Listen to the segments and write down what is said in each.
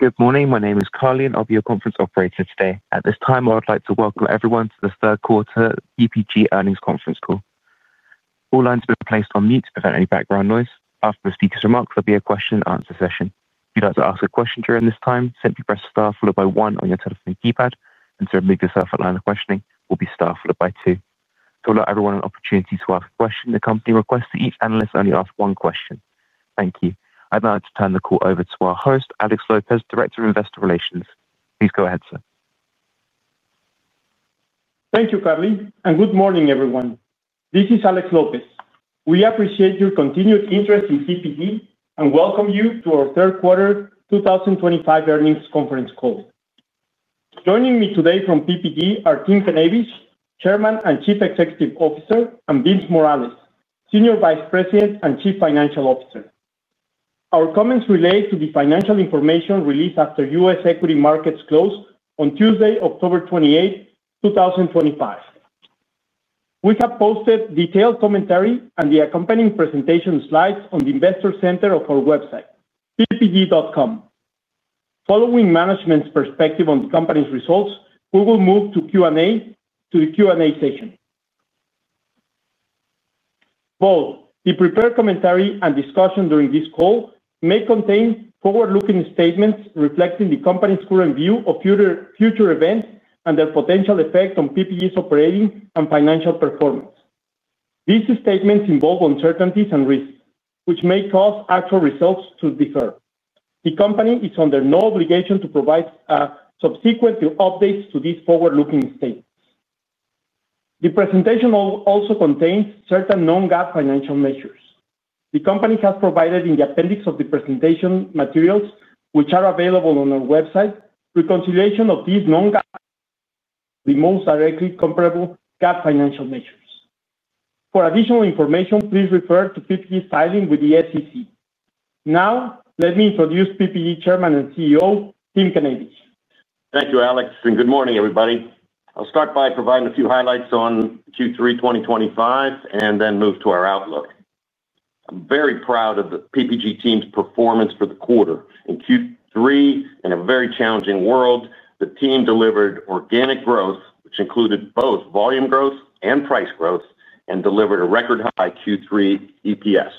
Good morning, my name is Carly and I'll be your conference operator today. At this time I would like to welcome everyone to the third quarter PPG Industries earnings conference call. All lines have been placed on mute to prevent any background noise. After the speaker's remarks, there'll be a question and answer session. If you'd like to ask a question during this time, simply press STAR followed by one on your telephone keypad, and to remove yourself from the line of questioning, press STAR followed by two. To allow everyone an opportunity to ask a question, the company requests that each analyst only ask one question. Thank you. I'd like to turn the call over to our host, Alex Lopez, Director of Investor Relations. Please go ahead, sir. Thank you, Carly, and good morning everyone. This is Alex Lopez. We appreciate your continued interest in PPG Industries and welcome you to our third quarter 2025 earnings conference call. Joining me today from PPG Industries are Tim Knavish, Chairman and Chief Executive Officer, and Vince Morales, Senior Vice President and Chief Financial Officer. Our comments relate to the financial information released after U.S. equity markets closed on Tuesday, October 28, 2025. We have posted detailed commentary and the accompanying presentation slides on the Investor Center of our website, ppg.com. Following management's perspective on the Company's results, we will move to the Q&A session. Both the prepared commentary and discussion during this call may contain forward-looking statements reflecting the Company's current view of future events and their potential effect on PPG Industries' operating and financial performance. These statements involve uncertainties and risks which may cause actual results to differ. The Company is under no obligation to provide subsequent updates to these forward-looking statements. The presentation also contains certain non-GAAP financial measures the Company has provided in the appendix of the presentation materials, which are available on our website. Reconciliation of these non-GAAP measures to the most directly comparable GAAP financial measures is also provided. For additional information, please refer to PPG Industries' filings with the SEC. Now let me introduce PPG Industries Chairman and CEO, Tim Knavish. Thank you, Alex, and good morning everybody. I'll start by providing a few highlights on Q3 2025 and then move to our outlook. I'm very proud of the PPG team's performance for the quarter in Q3. In a very challenging world, the team delivered organic growth, which included both volume growth and price growth, and delivered a record high Q3 EPS.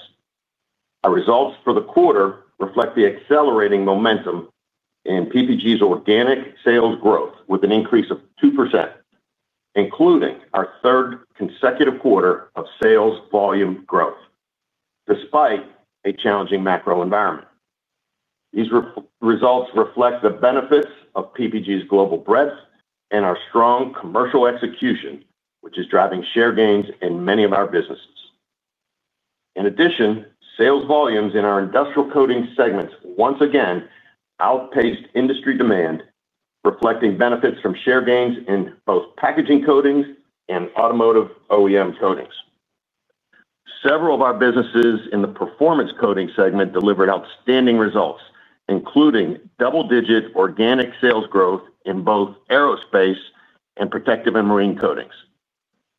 Our results for the quarter reflect the accelerating momentum in PPG's organic sales growth with an increase of 2%, including our third consecutive quarter of sales volume growth. Despite a challenging macroeconomic environment, these results reflect the benefits of PPG's global breadth and our strong commercial execution, which is driving share gains in many of our businesses. In addition, sales volumes in our industrial coatings segments once again outpaced industry demand, reflecting benefits from share gains in both packaging coatings and automotive OEM coatings. Several of our businesses in the performance coatings segment delivered outstanding results, including double-digit organic sales growth in both aerospace coatings and protective and marine coatings.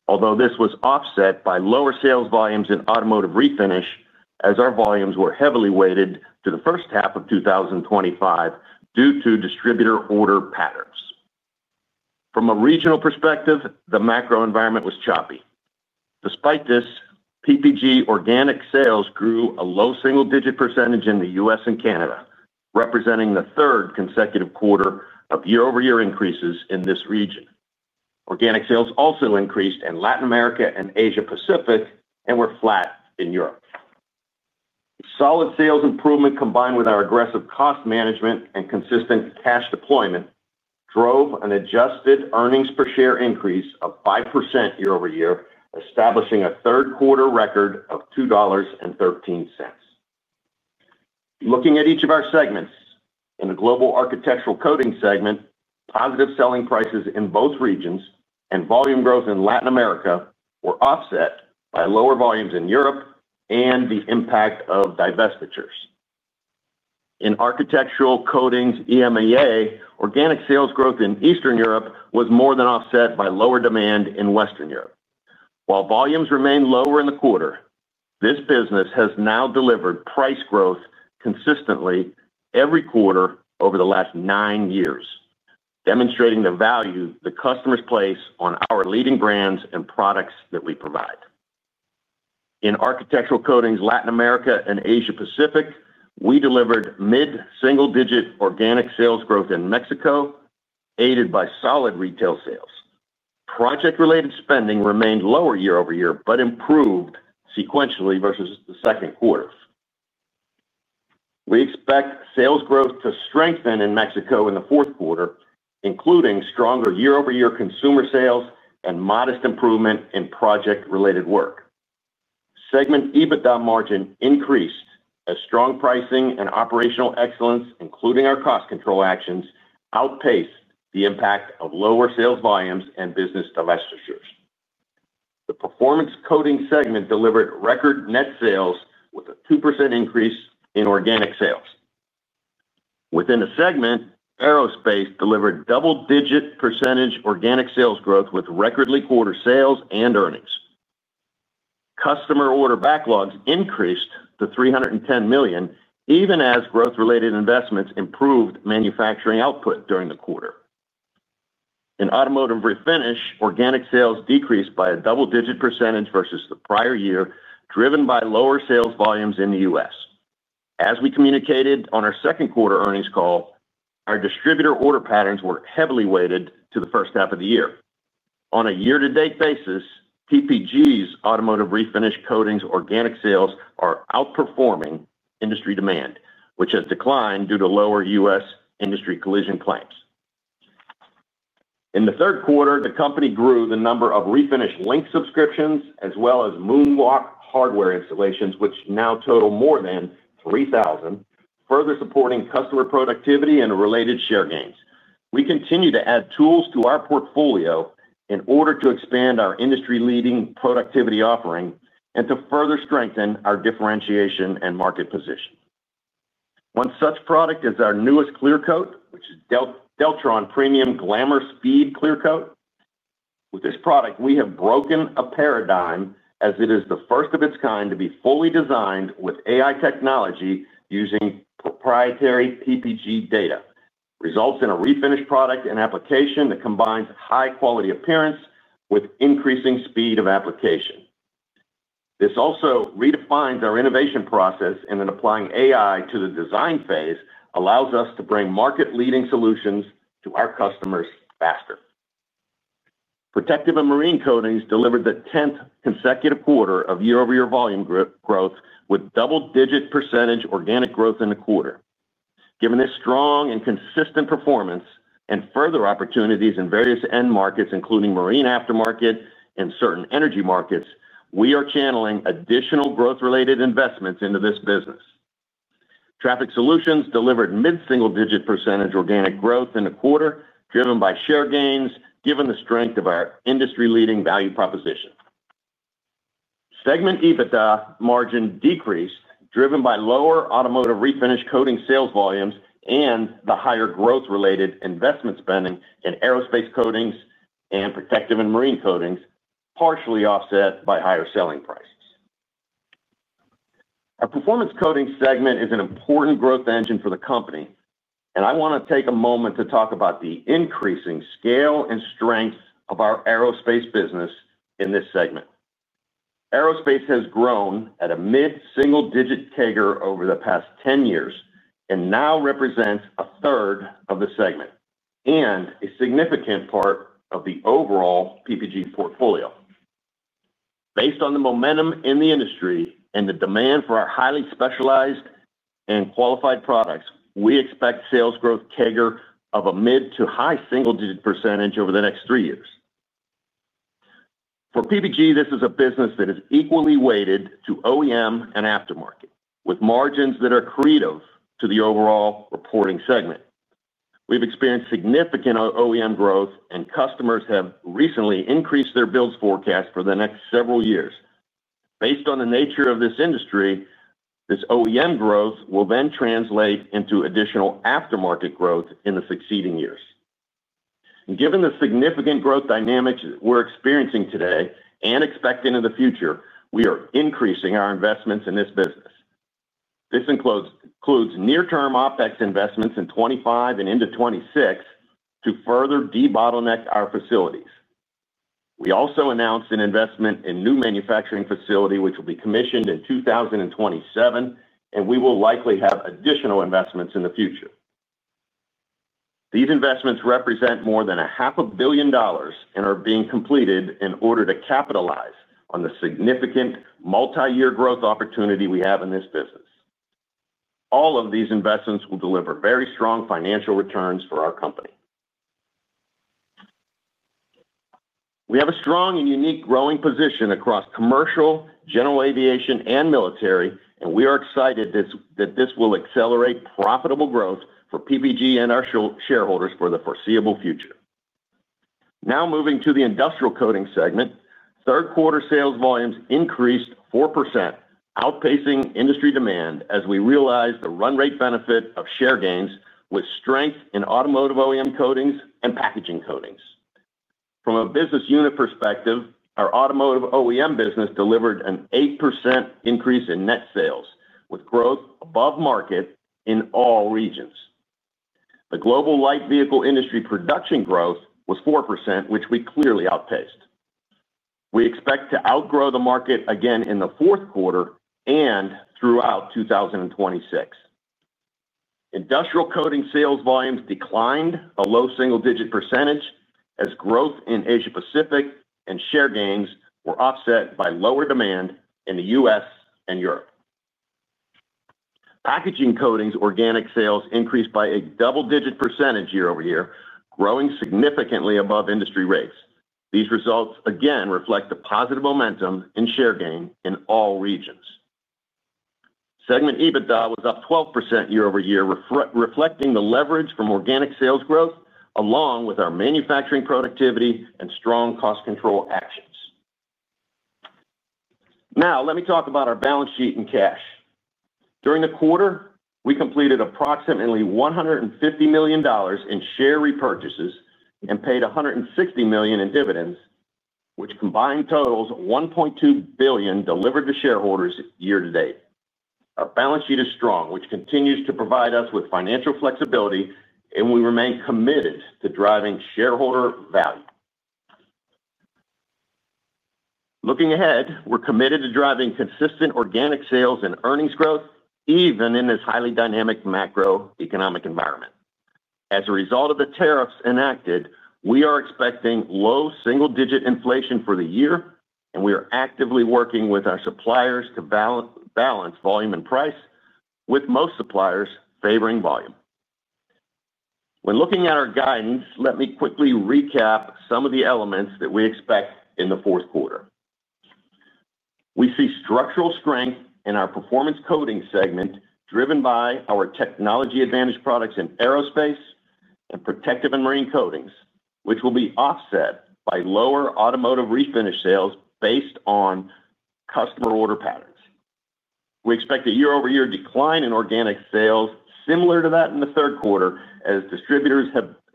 Although this was offset by lower sales volumes in automotive refinish as our volumes were heavily weighted to the first half of 2025 due to distributor order patterns. From a regional perspective, the macroeconomic environment was choppy. Despite this, PPG organic sales grew a low single-digit percentage in the U.S. and Canada, representing the third consecutive quarter of year-over-year increases in this region. Organic sales also increased in Latin America and Asia Pacific and were flat in Europe. Solid sales improvement combined with our aggressive cost management and consistent cash deployment drove an adjusted EPS increase of 5% year over year, establishing a third quarter record of $2.13. Looking at each of our segments, in the global architectural coatings segment, positive selling prices in both regions and volume growth in Latin America were offset by lower volumes in Europe and the impact of divestitures in architectural coatings. EMEA organic sales growth in Eastern Europe was more than offset by lower demand in Western Europe, while volumes remained lower in the quarter. This business has now delivered price growth consistently every quarter over the last nine years, demonstrating the value the customers place on our leading brands and products that we provide in architectural coatings, Latin America, and Asia Pacific. We delivered mid single digit organic sales growth in Mexico, aided by solid retail sales. Project related spending remained lower year over year but improved sequentially versus the second quarter. We expect sales growth to strengthen in Mexico in the fourth quarter, including stronger year over year consumer sales and modest improvement in project related work segment. EBITDA margin increased as strong pricing and operational excellence, including our cost control actions, outpaced the impact of lower sales volumes and business divestitures. The performance coatings segment delivered record net sales with a 2% increase in organic sales. Within the segment, aerospace delivered double digit % organic sales growth with record quarterly sales and earnings. Customer order backlogs increased to $310 million, even as growth related investments improved manufacturing output during the quarter. In automotive refinish, organic sales decreased by a double digit % versus the prior year, driven by lower sales volumes in the U.S. As we communicated on our second quarter earnings call, our distributor order patterns were heavily weighted to the first half of the year on a year to date basis. PPG's automotive refinish coatings organic sales are outperforming industry demand, which has declined due to lower U.S. industry collision claims. In the third quarter, the company grew the number of refinish LINQ subscriptions as well as MoonWalk hardware installations, which now total more than 3,000. Further supporting customer productivity and related share gains, we continue to add tools to our portfolio in order to expand our industry leading productivity offering and to further strengthen our differentiation and market position. One such product is our newest clear coat, which is Deltron Premium Glamour Speed Clear Coat. With this product, we have broken a paradigm as it is the first of its kind to be fully designed with AI technology. Using proprietary PPG data results in a refinish product and application that combines high quality appearance with increasing speed of application. This also redefines our innovation process, and applying AI to the design phase allows us to bring market leading solutions to our customers faster. Protective and marine coatings delivered the 10th consecutive quarter of year over year volume growth with double digit % organic growth in the quarter. Given this strong and consistent performance and further opportunities in various end markets including marine, aftermarket, and in certain energy markets, we are channeling additional growth-related investments into this business. Traffic Solutions delivered mid single-digit % organic growth in the quarter driven by share gains. Given the strength of our industry-leading value proposition, segment EBITDA margin decreased, driven by lower automotive refinish coatings sales volumes and the higher growth-related investment spending in aerospace coatings and protective and marine coatings, partially offset by higher selling prices. Our performance coatings segment is an important growth engine for the company, and I want to take a moment to talk about the increasing scale and strength of our aerospace business in this segment. Aerospace has grown at a mid single-digit CAGR over the past 10 years and now represents a third of the segment and a significant part of the overall PPG portfolio. Based on the momentum in the industry and the demand for our highly specialized and qualified products, we expect sales growth CAGR of a mid to high single-digit % over the next three years for PPG. This is a business that is equally weighted to OEM and aftermarket with margins that are accretive to the overall reporting segment. We've experienced significant OEM growth, and customers have recently increased their builds forecast for the next several years based on the nature of this industry. This OEM growth will then translate into additional aftermarket growth in the succeeding years. Given the significant growth dynamics we're experiencing today and expect into the future, we are increasing our investments in this business. This includes near-term OpEx investments in 2025 and into 2026. To further debottleneck our facilities, we also announced an investment in a new manufacturing facility which will be commissioned in 2027, and we will likely have additional investments in the future. These investments represent more than $0.5 billion and are being completed in order to capitalize on the significant multi-year growth opportunity we have in this business. All of these investments will deliver very strong financial returns for our company. We have a strong and unique growing position across commercial, general aviation, and military, and we are excited that this will accelerate profitable growth for PPG and our shareholders for the foreseeable future. Now moving to the industrial coatings segment, third quarter sales volumes increased 4%, outpacing industry demand as we realized the run rate benefit of share gains with strength in automotive OEM coatings and packaging coatings. From a business unit perspective, our automotive OEM business delivered an 8% increase in net sales with growth above market in all regions. The global light vehicle industry production growth was 4%, which we clearly outpaced. We expect to outgrow the market again in the fourth quarter and throughout 2026. Industrial coatings sales volumes declined a low single digit percentage as growth in Asia Pacific and share gains were offset by lower demand in the U.S. and Europe. Packaging coatings organic sales increased by a double digit percentage year over year, growing significantly above industry rates. These results again reflect the positive momentum in share gain in all regions. Segment EBITDA was up 12% year over year, reflecting the leverage from organic sales growth along with our manufacturing productivity and strong cost control actions. Now let me talk about our balance sheet and cash. During the quarter, we completed approximately $150 million in share repurchases and paid $160 million in dividends, which combined totals $1.2 billion delivered to shareholders year to date. Our balance sheet is strong, which continues to provide us with financial flexibility, and we remain committed to driving shareholder value. Looking ahead, we're committed to driving consistent organic sales and earnings growth even in this highly dynamic macroeconomic environment. As a result of the tariffs enacted, we are expecting low single digit inflation for the year, and we are actively working with our suppliers to balance volume and price, with most suppliers favoring volume. When looking at our guidance, let me quickly recap some of the elements that we expect in the fourth quarter. We see structural strength in our performance coatings segment driven by our technology advantage products in aerospace and protective and marine coatings, which will be offset by lower automotive refinish sales. Based on customer order patterns, we expect a year-over-year decline in organic sales similar to that in the third quarter, as distributors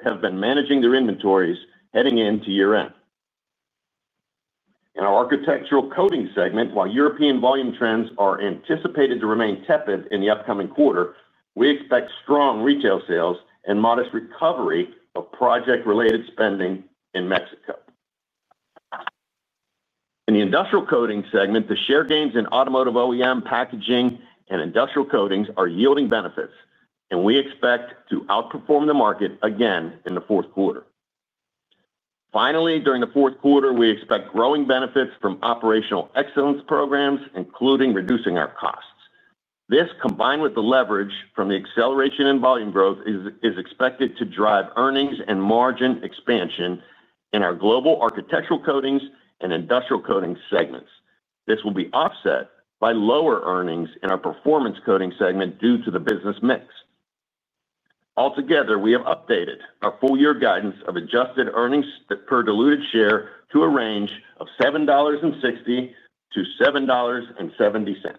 have been managing their inventories heading into year-end in our architectural coatings segment. While European volume trends are anticipated to remain tepid in the upcoming quarter, we expect strong retail sales and modest recovery of project-related spending in Mexico. In the industrial coatings segment, the share gains in automotive OEM, packaging, and industrial coatings are yielding benefits, and we expect to outperform the market again in the fourth quarter. Finally, during the fourth quarter, we expect growing benefits from operational excellence programs, including reducing our costs. This, combined with the leverage from the acceleration in volume growth, is expected to drive earnings and margin expansion, and in our global architectural coatings and industrial coatings segments, this will be offset by lower earnings in our performance coatings segment due to the business mix. Altogether, we have updated our full-year guidance of adjusted earnings per diluted share to a range of $7.60-$7.70.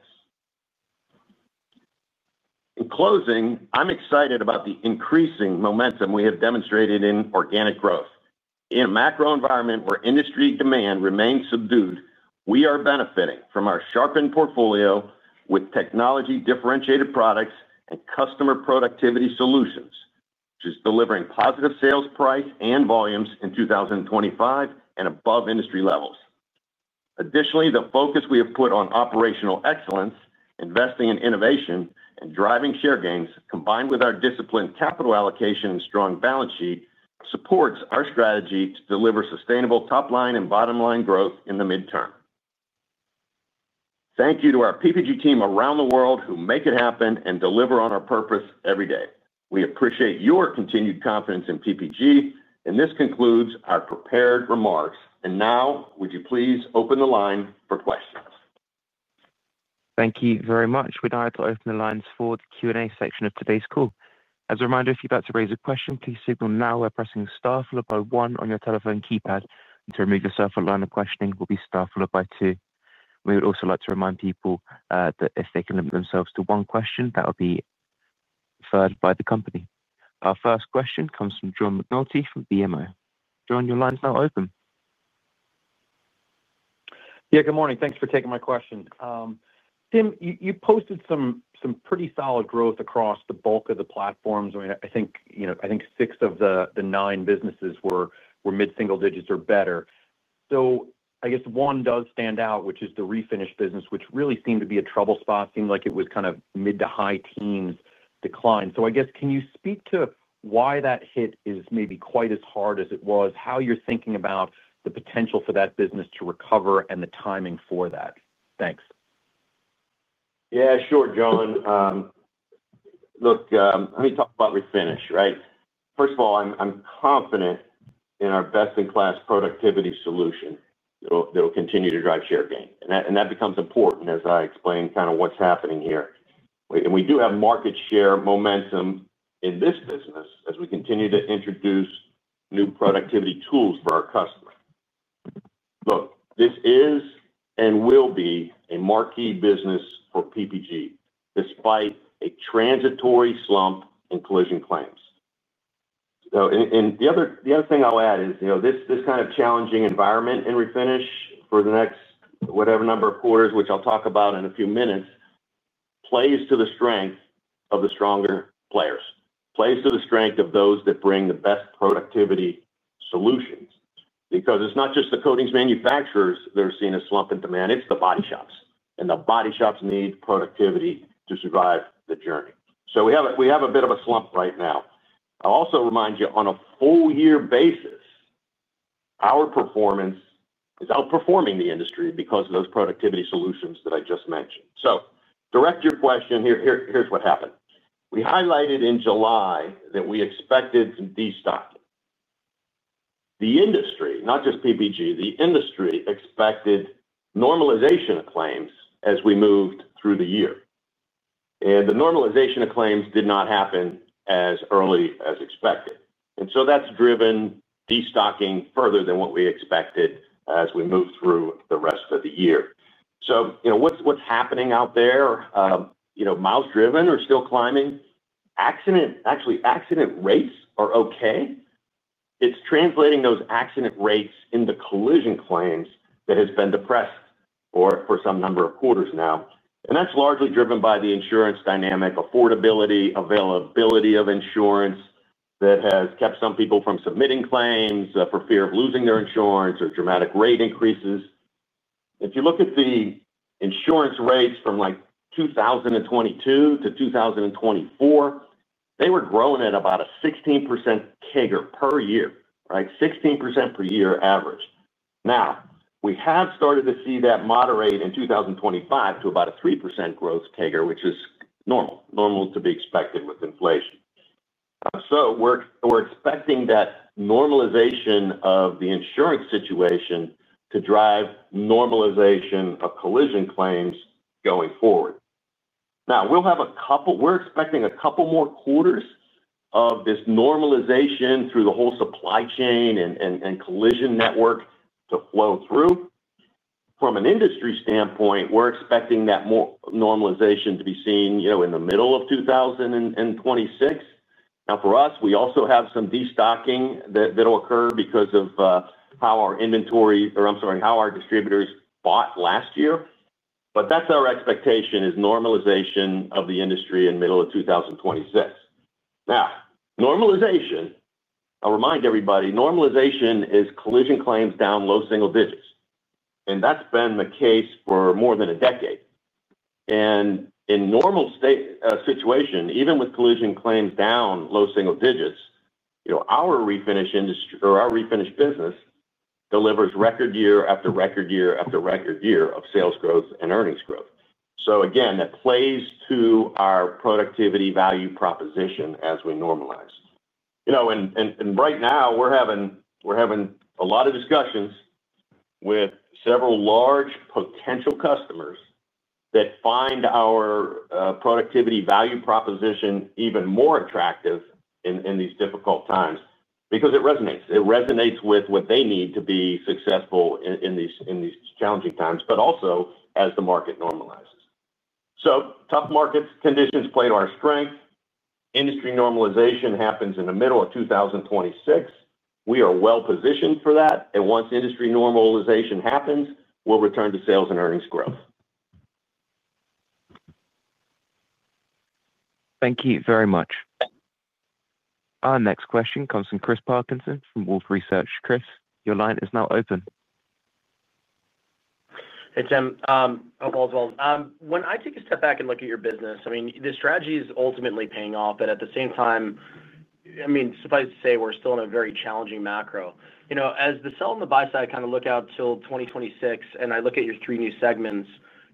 In closing, I'm excited about the increasing momentum we have demonstrated in organic growth in a macroeconomic environment where industry demand remains subdued. We are benefiting from our sharpened portfolio with technology-differentiated products and customer productivity solutions, which is delivering positive sales price and volumes in 2025 and above industry levels. Additionally, the focus we have put on operational excellence, investing in innovation, and driving share gains, combined with our disciplined capital allocation and strong balance sheet, supports our strategy to deliver sustainable top-line and bottom-line growth in the midterm. Thank you to our PPG team around the world who make it happen and deliver on our purpose every day. We appreciate your continued confidence in PPG, and this concludes our prepared remarks. Now, would you please open the line for questions. Thank you very much. We'd like to open the lines for the Q&A section of today's call. As a reminder, if you'd like to raise a question, please signal now by pressing STAR followed by 1 on your telephone keypad. To remove yourself from the queue, press STAR followed by 2. We would also like to remind people that if they can limit themselves to one question, that will be preferred by the company. Our first question comes from John McNulty from BMO. John, your line's now open. Yeah, good morning. Thanks for taking my question, Tim. You posted some pretty solid growth across the bulk of the platforms. I think six of the nine businesses were mid single digits or better, so I guess one does stand out, which is the refinish business, which really seemed to be a trouble spot. Seemed like it was kind of mid to high teens decline. I guess can you speak to why that hit is maybe quite as hard as it was, how you're thinking about the potential for that business to recover, and the timing for that. Thanks. Yeah, sure, John. Look, let me talk about refinish, right? First of all, I'm confident in our best-in-class productivity solution that will continue to drive share gain, and that becomes important as I explain kind of what's happening here. We do have market share momentum in this business as we continue to introduce new productivity tools for our customer. This is and will be a marquee business for PPG Industries despite a transitory slump in collision claims. The other thing I'll add is this kind of challenging environment in refinish for the next whatever number of quarters, which I'll talk about in a few minutes, plays to the strength of the stronger players, plays to the strength of those that bring the best productivity solutions. It's not just the coatings manufacturers that are seeing a slump in demand, it's the body shops, and the body shops need productivity to survive the journey. We have a bit of a slump right now. I also remind you on a full year basis our performance is outperforming the industry because of those productivity solutions that I just mentioned. To direct your question, here's what happened. We highlighted in July that we expected some destocking in the industry, not just PPG Industries. The industry expected normalization of claims as we moved through the year, and the normalization of claims did not happen as early as expected. That's driven destocking further than what we expected as we move through the rest of the year. What's happening out there, miles driven are still climbing. Accident rates are okay. It's translating those accident rates into collision claims that has been depressed for some number of quarters now, and that's largely driven by the insurance dynamic. Affordability, availability of insurance has kept some people from submitting claims for fear of losing their insurance or dramatic rate increases. If you look at the insurance rates from like 2022-2024, they were growing at about a 16% CAGR per year, right? 16% per year average. Now we have started to see that moderate in 2025 to about a 3% growth CAGR, which is normal, normal to be expected with inflation. We are expecting that normalization of the insurance situation to drive normalization of collision claims going forward. We are expecting a couple more quarters of this normalization through the whole supply chain and collision network to flow through. From an industry standpoint, we are expecting that more normalization to be seen, you know, in the middle of 2026. For us, we also have some destocking that will occur because of how our inventory, or I'm sorry, how our distributors bought last year, but that's our expectation is normalization of the industry in middle of 2026. Normalization, I'll remind everybody, normalization is collision claims down low single digits. That's been the case for more than a decade. In normal state situation, even with collision claims down low single digits, you know, our refinish industry or our refinish business delivers record year after record year after record year of sales growth and earnings growth. That plays to our productivity value proposition as we normalize, you know, and right now we're having a lot of discussions with several large potential customers that find our productivity value proposition even more attractive in these difficult times because it resonates, it resonates with what they need to be successful in these, in these challenging times, but also as the market normalizes. Tough market conditions play to our strength. Industry normalization happens in the middle of 2026. We are well positioned for that. Once industry normalization happens, we'll return to sales and earnings growth. Thank you very much. Our next question comes from Chris Parkinson from Wolfe Research. Chris, your line is now open. Hey Tim, hope all's well. When I take a step back and look at your business, I mean the. Strategy is ultimately paying off. At the same time, suffice to say we're still in a. Very challenging macro, you know, as the sell on the buy side kind of look out till 2026. I look at your three new. Segments,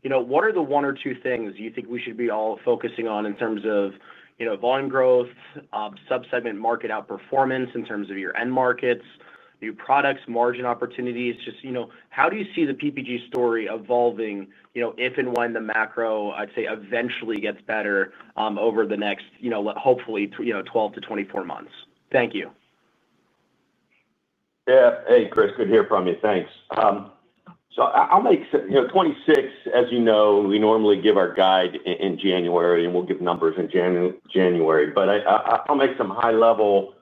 what are the one or two? Things you think we should be all. Focusing on, in terms of volume growth, sub segment market outperformance. Your end markets, new products, margin opportunities. Just how do you see the PPG? Story evolving if and when the macro I'd say eventually gets better over the next hopefully 12-24 months. Thank you. Hey Chris, good to hear from you. Thanks. I'll make, you know, 26. As you know, we normally give our guide in January and we'll give numbers in January. I'll make some high level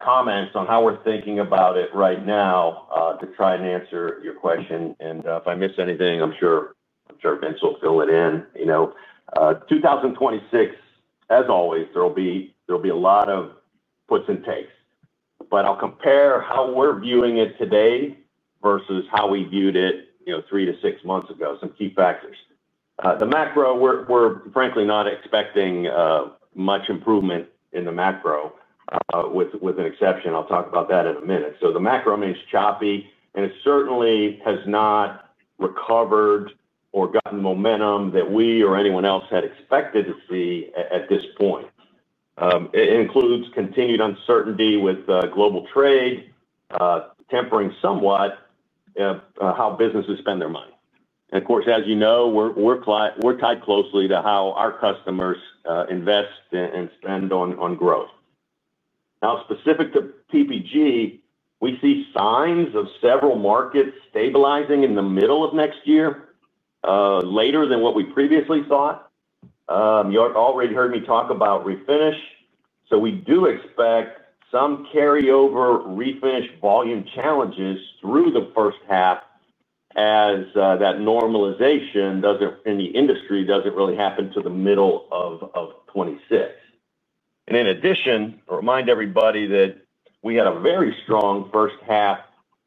comments on how we're thinking about it right now to try and answer your question. If I miss anything, I'm sure Vince will fill it in. 2026 as always, there'll be a lot of puts and takes, but I'll compare how we're viewing it today versus how we viewed it three to six months ago. Some key factors, the macro. We're frankly not expecting much improvement in the macro, with an exception. I'll talk about that in a minute. The macro means choppy and it certainly has not recovered or gotten momentum that we or anyone else had expected to see at this point. It includes continued uncertainty with global trade tempering somewhat how businesses spend their money. Of course, as you know, we're tied closely to how our customers invest and spend on growth. Now, specific to PPG Industries, we see signs of several markets stabilizing in the middle of next year later than what we previously thought. You already heard me talk about refinish. We do expect some carryover refinish volume challenges through the first half as that normalization in the industry doesn't really happen to the middle of 2026. In addition, remind everybody that we had a very strong first half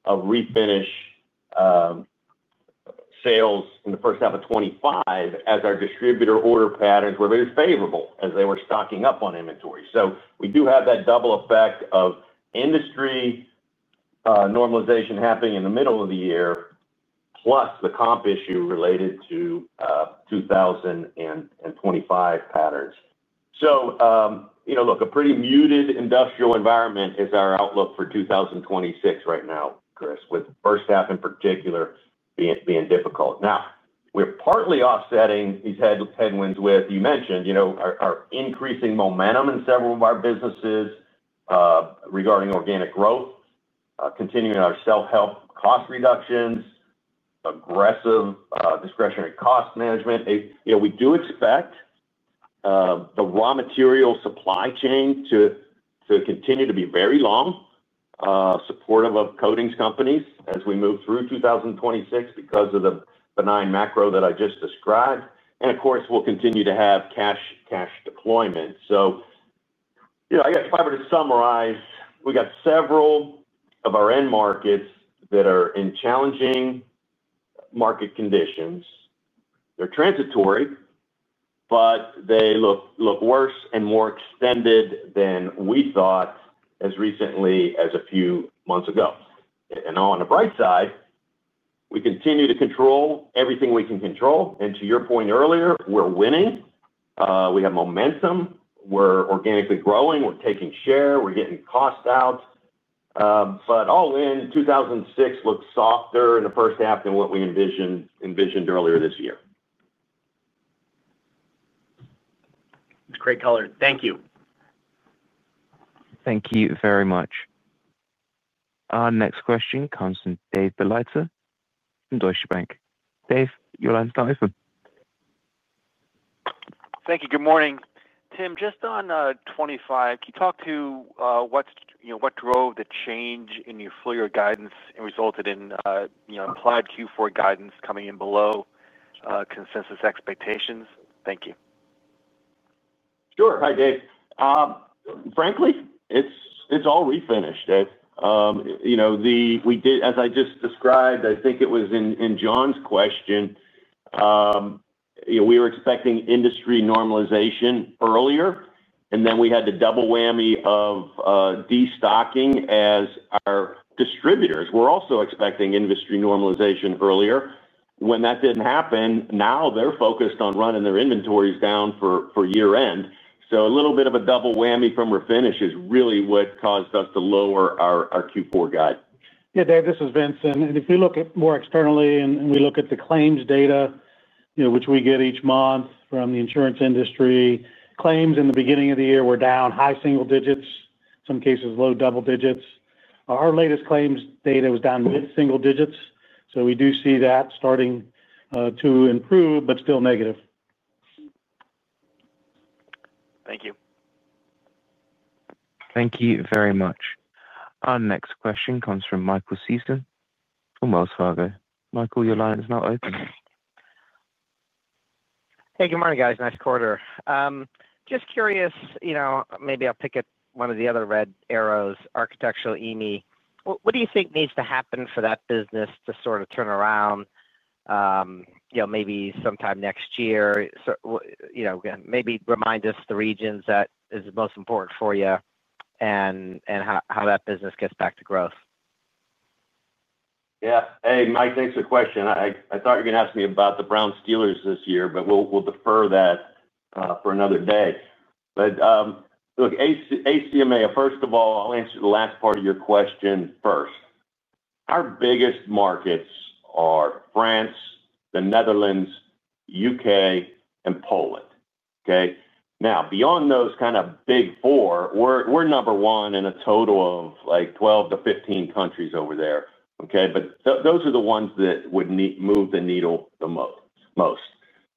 of refinish sales in 1H25 as our distributor order patterns were very favorable as they were stocking up on inventory. We do have that double effect of industry normalization happening in the middle of the year plus the comp issue related to 2025 patterns. A pretty muted industrial environment is our outlook for 2026 right now, Chris, with first half in particular being difficult. We're partly offsetting these headwinds with, you mentioned, our increasing momentum in several of our businesses regarding organic growth, continuing our self help cost reductions, aggressive discretionary cost management. We do expect the raw material supply chain to continue to be very long supportive of coatings companies as we move through 2026 because of the benign macro that I just described. Of course, we'll continue to have cash, cash deployment. If I were to summarize, we got several of our end markets that are in challenging market conditions. They're transitory, but they look worse and more extended than we thought as recently as a few months ago. On the bright side, we continue to control everything we can control. To your point earlier, we're winning, we have momentum, we're organically growing, we're taking share, we're getting cost out. All in, 2026 looks softer in the first half than what we envisioned earlier this year. It's great color. Thank you. Thank you very much. Our next question comes from David Begleiter from Deutsche Bank. David, your line is open. Thank you. Good morning, Tim. Just on 2025, can you talk to what drove the change in your full year guidance and resulted in implied Q4 guidance coming in below consensus expectations? Thank you. Sure. Hi, Dave. Frankly, it's all refinish as I just described. I think it was in John's question. We were expecting industry normalization earlier, and then we had the double whammy of destocking as our distributors were also expecting industry normalization earlier. When that didn't happen, now they're focused on running their inventories down for year end. A little bit of a double whammy from refinish is really what caused us to lower our Q4 guide. Yeah, Dave, this is Vince Morales and if you look at more externally and we look at the claims data which we get each month from the insurance industry, claims in the beginning of the year were down high single digits, some cases low double digits. Our latest claims data was down mid single digits. We do see that starting to improve, but still negative. Thank you. Thank you very much. Our next question comes from Michael Sison from Wells Fargo. Michael, your line is now open. Hey, good morning guys. Nice quarter. Just curious, you know, maybe I'll pick at one of the other red arrows, architectural EMI. What do you think needs to happen for that business to sort of turn around, you know, maybe sometime next year, so you know, maybe remind us the regions that is most important for you and how that business gets back to growth. Yeah. Hey Mike, thanks. A question. I thought you were going to ask me about the Brown Steelers this year, but we'll defer that for another day. Look, ACMA, first of all, I'll answer the last part of your question first. Our biggest markets are France, the Netherlands, UK, and Poland. Now beyond those kind of big four, we're number one in a total of like 12-15 countries over there, but those are the ones that would move the needle the most. Most.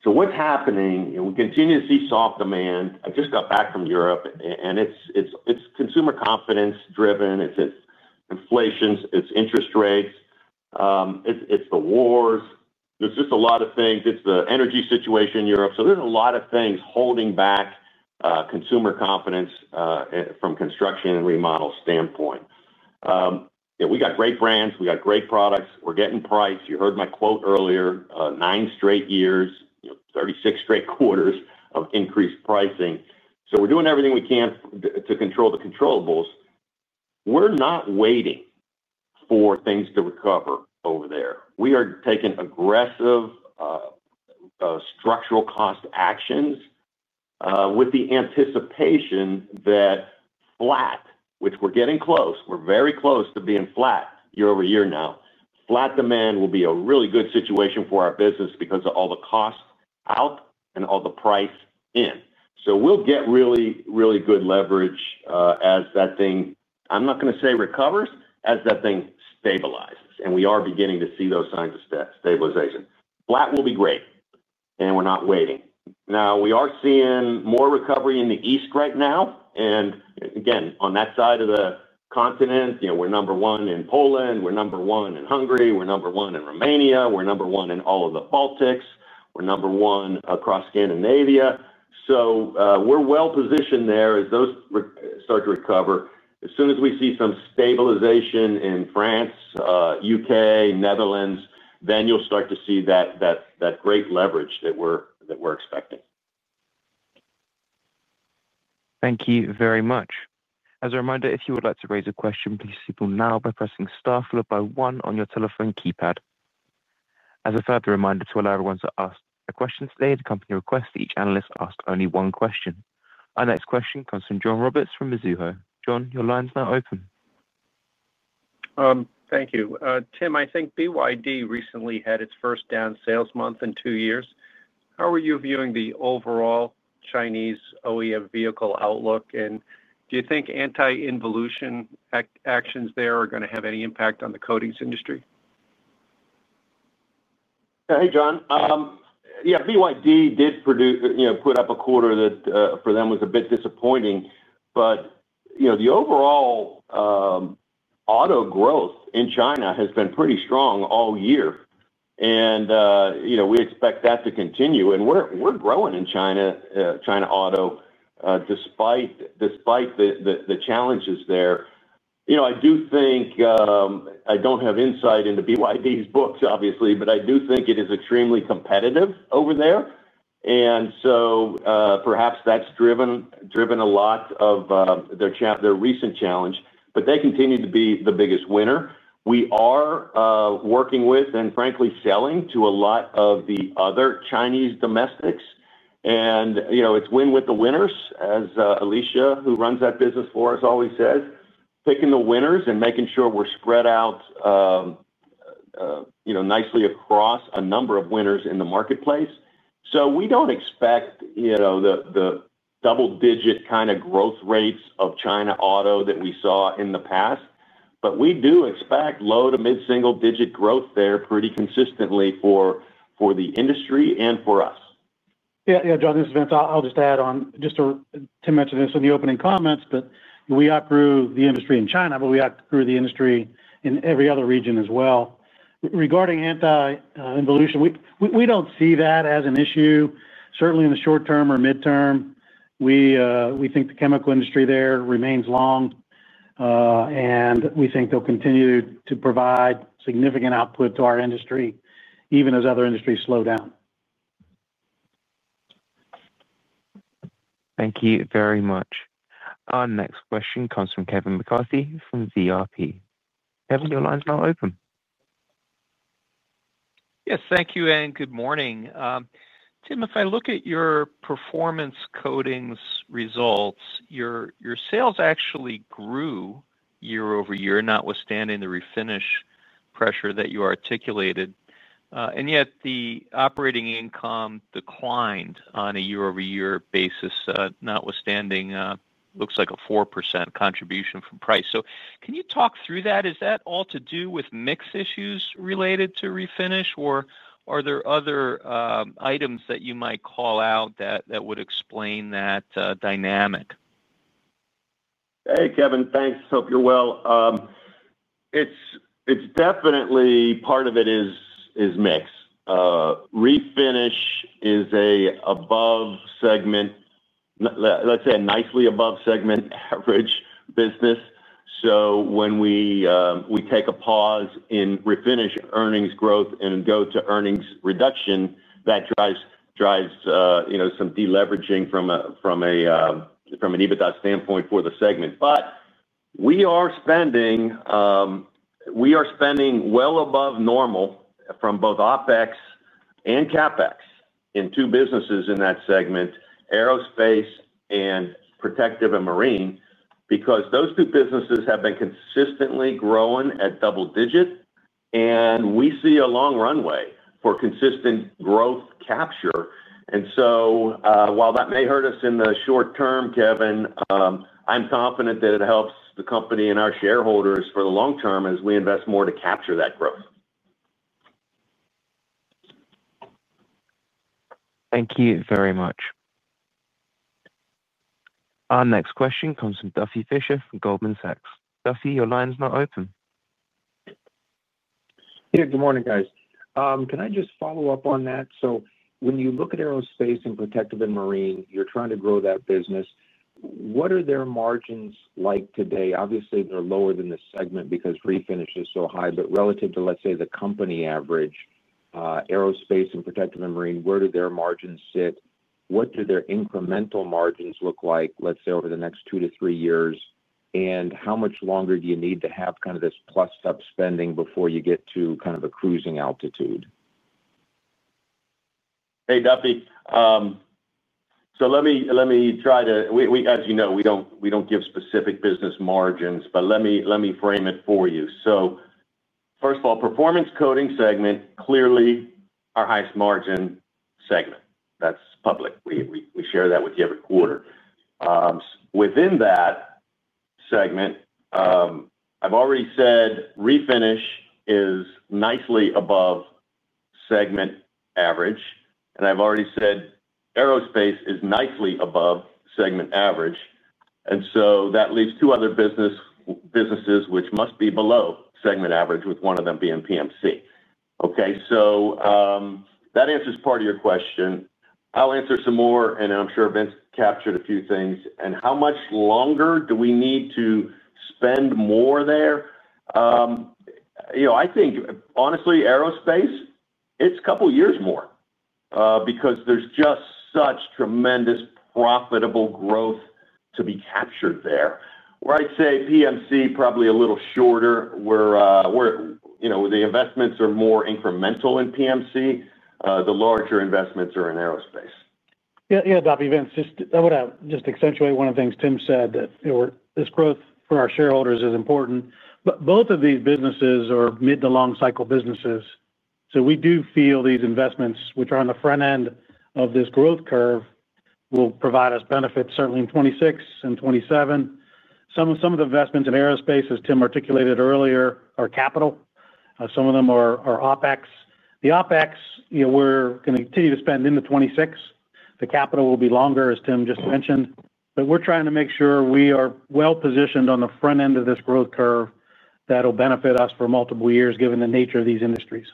What's happening? We continue to see soft demand. I just got back from Europe and it's consumer confidence driven. It's inflation, it's interest rates, it's the wars, there's just a lot of things. It's the energy situation in Europe. There are a lot of things holding back consumer confidence from a construction and remodel standpoint. We got great brands, we got great products, we're getting price. You heard my quote earlier, nine straight years, 36 straight quarters of increased pricing. We're doing everything we can to control the controllables. We're not waiting for things to recover over there. We are taking aggressive structural cost actions with the anticipation that flat, which we're getting close. We're very close to being flat year over year now. Flat demand will be a really good situation for our business because of all the cost out and all the price in. We'll get really, really good leverage as that thing, I'm not going to say recovers. As that thing stabilizes and we are beginning to see those signs of stabilization. Flat will be great. We're not waiting now. We are seeing more recovery in the east right now and again on that side of the continent. We're number one in Poland, we're number one in Hungary, we're number one in Romania, we're number one in all of the Baltics. We're number one across Scandinavia. We're well positioned there as those start to recover. As soon as we see some stabilization in France, UK, Netherlands, then you'll start to see that great leverage that we're expecting. Thank you very much. As a reminder, if you would like to raise a question, please signal now by pressing star followed by one on your telephone keypad. As a further reminder, to allow everyone to ask a question today, the company requests each analyst ask only one question. Our next question comes from John Roberts from Mizuho. John, your line's now open. Thank you, Tim. I think BYD recently had its first down sales month in two years. How are you viewing the overall Chinese OEM vehicle outlook and do you think anti involution actions there are going to have any impact on the coatings industry? Hey John. Yeah. BYD did put up a quarter that for them was a bit disappointing. The overall auto growth in China has been pretty strong all year and we expect that to continue and we're growing in China. China Auto, despite the challenges there. I do think I don't have insight into BYD's books obviously, but I do think it is extremely competitive over there and perhaps that's driven a lot of their recent challenge. They continue to be the biggest winner we are working with and frankly selling to a lot of the other Chinese domestics and you know, it's win with the winners. As Alisha, who runs that business for us, always says, picking the winners and making sure we're spread out nicely across a number of winners in the marketplace. We don't expect the double digit kind of growth rates of China Auto that we saw in the past, but we do expect low to mid single digit growth there pretty consistently for the industry and for us. John, this is Vince. I'll just add on, just to mention this in the opening comments, we outgrew the industry in China, and we outgrew the industry in every other region as well. Regarding anti-involution, we don't see that as an issue, certainly in the short term or midterm. We think the chemical industry there remains long, and we think they'll continue to provide significant output to our industry even as other industries slow down. Thank you very much. Our next question comes from Kevin McCarthy from VRP. Kevin, your line is now open. Yes, thank you and good morning. Tim, if I look at your performance coatings. Results, your sales actually grew year over year notwithstanding the refinish pressure that you articulated. Yet the operating income declined on a year over year basis, notwithstanding what looks like a 4% contribution from price. Can you talk through that? Is that all to do with mix issues related to refinish or are there other items that you might call out that would explain that dynamic? Hey Kevin, thanks. Hope you're well. Definitely part of it is mix. Refinish is an above segment, let's say a nicely above segment average business. When we take a pause in refinish earnings growth and go to earnings reduction, that drives some deleveraging from an EBITDA standpoint for the segment. We are spending well above normal from both OpEx and CapEx in two businesses in that segment, Aerospace and Protective and Marine, because those two businesses have been consistently growing at double digit and we see a long runway for consistent growth capture. While that may hurt us in the short term, Kevin, I'm confident that it helps the company and our shareholders for the long term as we invest more to capture that growth. Thank you very much. Our next question comes from Duffy Fischer from Goldman Sachs. Duffy, your line's not open. Yeah, good morning guys. Can I just follow up on that? When you look at aerospace and. Protective and marine, you're trying to grow that business. What are their margins like today? Obviously, they're lower than this segment because refinish is so high. Relative to let's say the company. Average Aerospace and Protective and Marine, where do their margins sit? What do their incremental margins look like, let's say, over the next two to three years? How much longer do you need to have kind of this plus up spending before you get to kind of a cruising altitude? Hey, Duffy. Let me try to, as you know, we don't give specific business margins. Let me frame it for you. First of all, performance coatings segment, clearly our highest margin segment, that's public. We share that with you every quarter within that segment. I've already said refinish is nicely above segment average, and I've already said aerospace is nicely above segment average. That leaves two other businesses which must be below segment average, with one of them being PMC. That answers part of your question. I'll answer some more, and I'm sure Vince captured a few things. How much longer do we need to spend more there? I think honestly aerospace, it's a couple years more because there's just such tremendous profitable growth to be captured there, where I'd say PMC probably a little shorter. The investments are more incremental in PMC. The larger investments are in aerospace. Yeah, Duffy. Vince, I would just accentuate one of the things Tim said that this growth for our shareholders is important, but both of these businesses are mid to long cycle businesses. We do feel these investments, which are on the front end of this growth curve, will provide us benefits certainly in 2026 and 2027. Some of the investments in aerospace, as Tim articulated earlier, are capital. Some of them are OpEx. The OpEx we're going to continue to spend in 2026. The capital will be longer, as Tim just mentioned. We are trying to make sure we are well positioned on the front end of this growth curve that will benefit us for multiple years given the nature of these industries.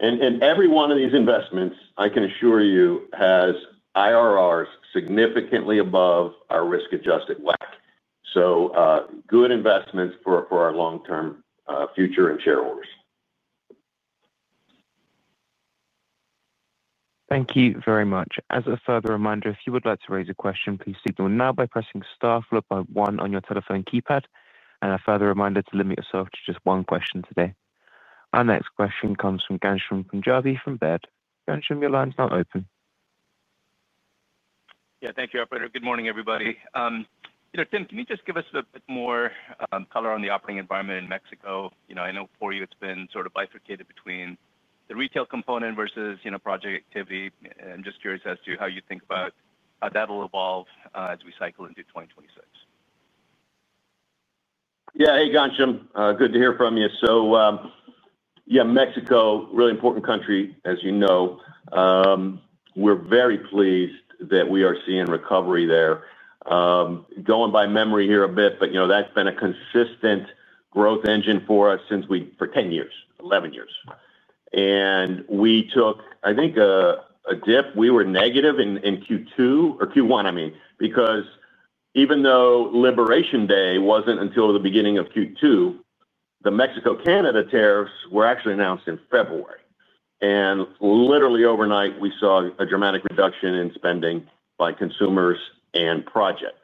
Every one of these investments, I can assure you, has IRRs significantly above our risk-adjusted WACC. These are good investments for our long-term future and shareholders. Thank you very much. As a further reminder, if you would like to raise a question, please signal now by pressing star followed by one on your telephone keypad. A further reminder to limit yourself to just one question today. Our next question comes from Ghansham Panjabi from Baird. Ghansham, your line is now open. Yeah, thank you, operator. Good morning, everybody. Tim, can you just give us a bit more color on the operating environment in Mexico? I know for you it's been sort of bifurcated between the retail component versus project activity. I'm just curious as to how you think about how that will evolve as we cycle into 2026. Yeah. Hey, Ghansham, good to hear from you. Mexico, really important country as you know. We're very pleased that we are seeing recovery there. Going by memory here a bit, but you know that's been a consistent growth engine for us for 10 years, 11 years, and we took, I think, a dip. We were negative in Q2 or Q1, I mean, because even though Liberation Day wasn't until the beginning of Q2, the Mexico-Canada tariffs were actually announced in February, and literally overnight we saw a dramatic reduction in spending by consumers and project.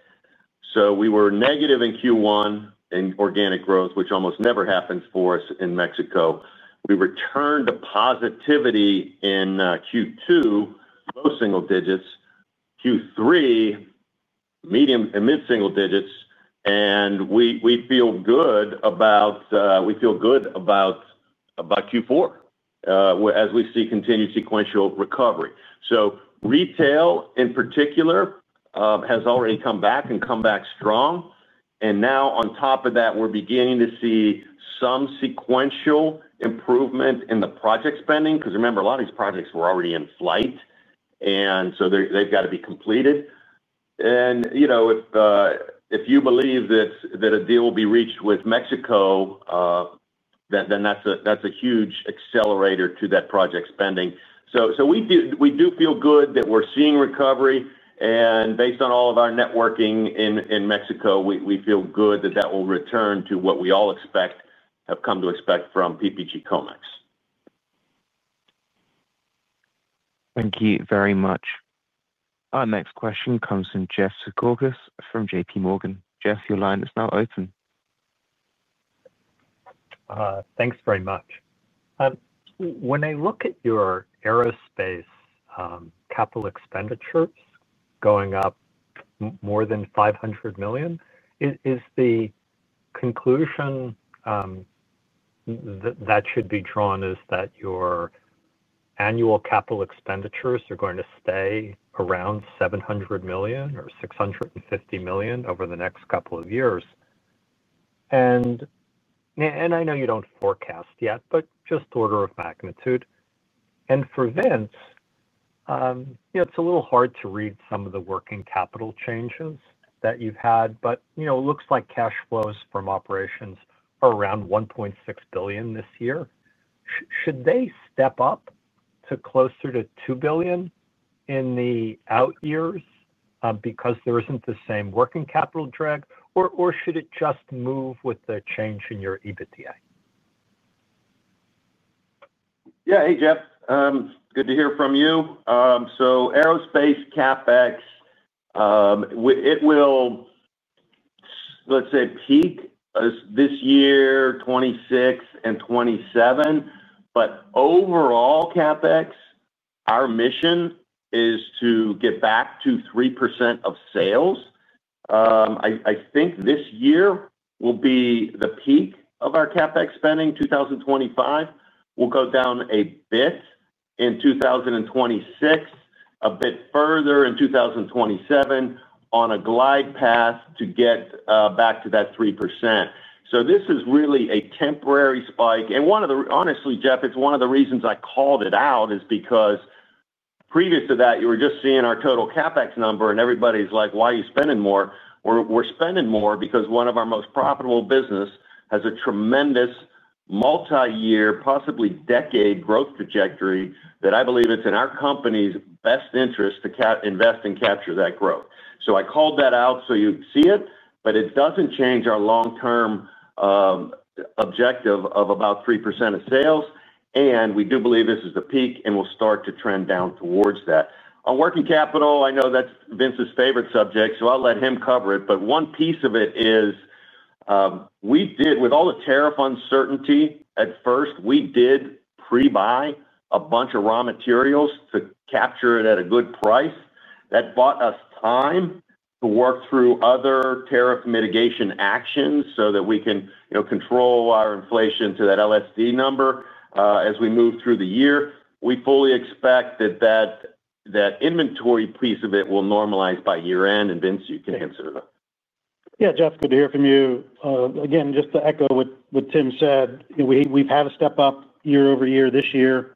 We were negative in Q1 in organic growth, which almost never happens for us in Mexico. We returned to positivity in Q2, low single digits, Q3, mid single digits. We feel good about Q4 as we see continued sequential recovery. Retail in particular has already come back and come back strong. Now, on top of that, we're beginning to see some sequential improvement in the project spending because remember a lot of these projects were already in flight and so they've got to be completed. If you believe that a deal will be reached with Mexico, that's a huge accelerator to that project spending. We do feel good that we're seeing recovery, and based on all of our networking in Mexico, we feel good that that will return to what we all have come to expect from PPG Comex. Thank you very much. Our next question comes from Jeff Zekauskas from J.P. Morgan. Jeff, your line is now open. Thanks very much. When I look at your aerospace capital expenditures going up more than $500 million, is the conclusion that should be drawn that your annual capital expenditures are going to stay around $700 million or $650 million over the next couple of years? I know you don't forecast yet, but just order of magnitude. For Vince, it's a little hard to read some of the working capital changes that you've had, but it looks like cash flows from operations are around $1.6 billion this year. Should they step up to closer to $2 billion in the out years because there isn't the same working capital drag, or should it just move with the change in your EBITDA? Yeah. Hey Jeff, good to hear from you. Aerospace CapEx will, let's say, peak this year, 2026 and 2027. Overall CapEx, our mission is to get back to 3% of sales. I think this year will be the peak of our CapEx spending. 2025 will go down a bit, in 2026 a bit further, in 2027 on a glide path to get back to that 3%. This is really a temporary spike. Honestly, Jeff, it's one of the reasons I called, because previous to that you were just seeing our total CapEx number and everybody's like, why are you spending more? We're spending more because one of our most profitable businesses has a tremendous multi-year, possibly decade, growth trajectory that I believe it's in our company's best interest to invest and capture that growth. I called that out so you see it, but it doesn't change our long-term objective of about 3% of sales. We do believe this is the peak and will start to trend down towards that. On working capital, I know that's Vince's favorite subject, so I'll let him cover it. One piece of it is, with all the tariff uncertainty at first, we did pre-buy a bunch of raw materials to capture it at a good price. That bought us time to work through other tariff mitigation actions so that we can control our inflation to that LSD number as we move through the year. We fully expect that inventory piece of it will normalize by year end. Vince, you can answer that. Yeah. Jeff, good to hear from you again. Just to echo what Tim said, we've had a step up year over year. This year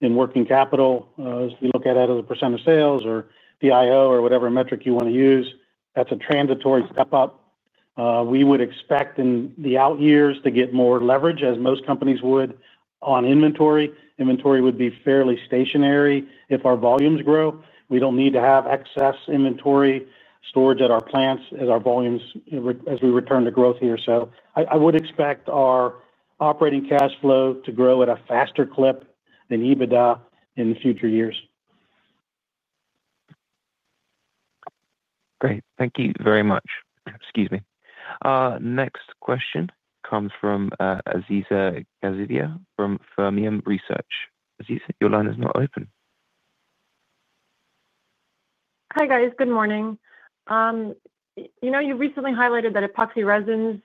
in working capital, you look at it as a % of sales or the IO or whatever metric you want to use. That's a transitory step up. We would expect in the out years to get more leverage as most companies would on inventory. Inventory would be fairly stationary if our volumes grow. We don't need to have excess inventory storage at our plants as our volumes as we return to growth here. I would expect our operating cash flow to grow at a faster clip than EBITDA in future years. Great, thank you very much. Excuse me. Next question comes from Aziza Gazieva from Fermium Research. Aziza, your line is now open. Hi guys. Good morning. You know you recently highlighted that epoxy resins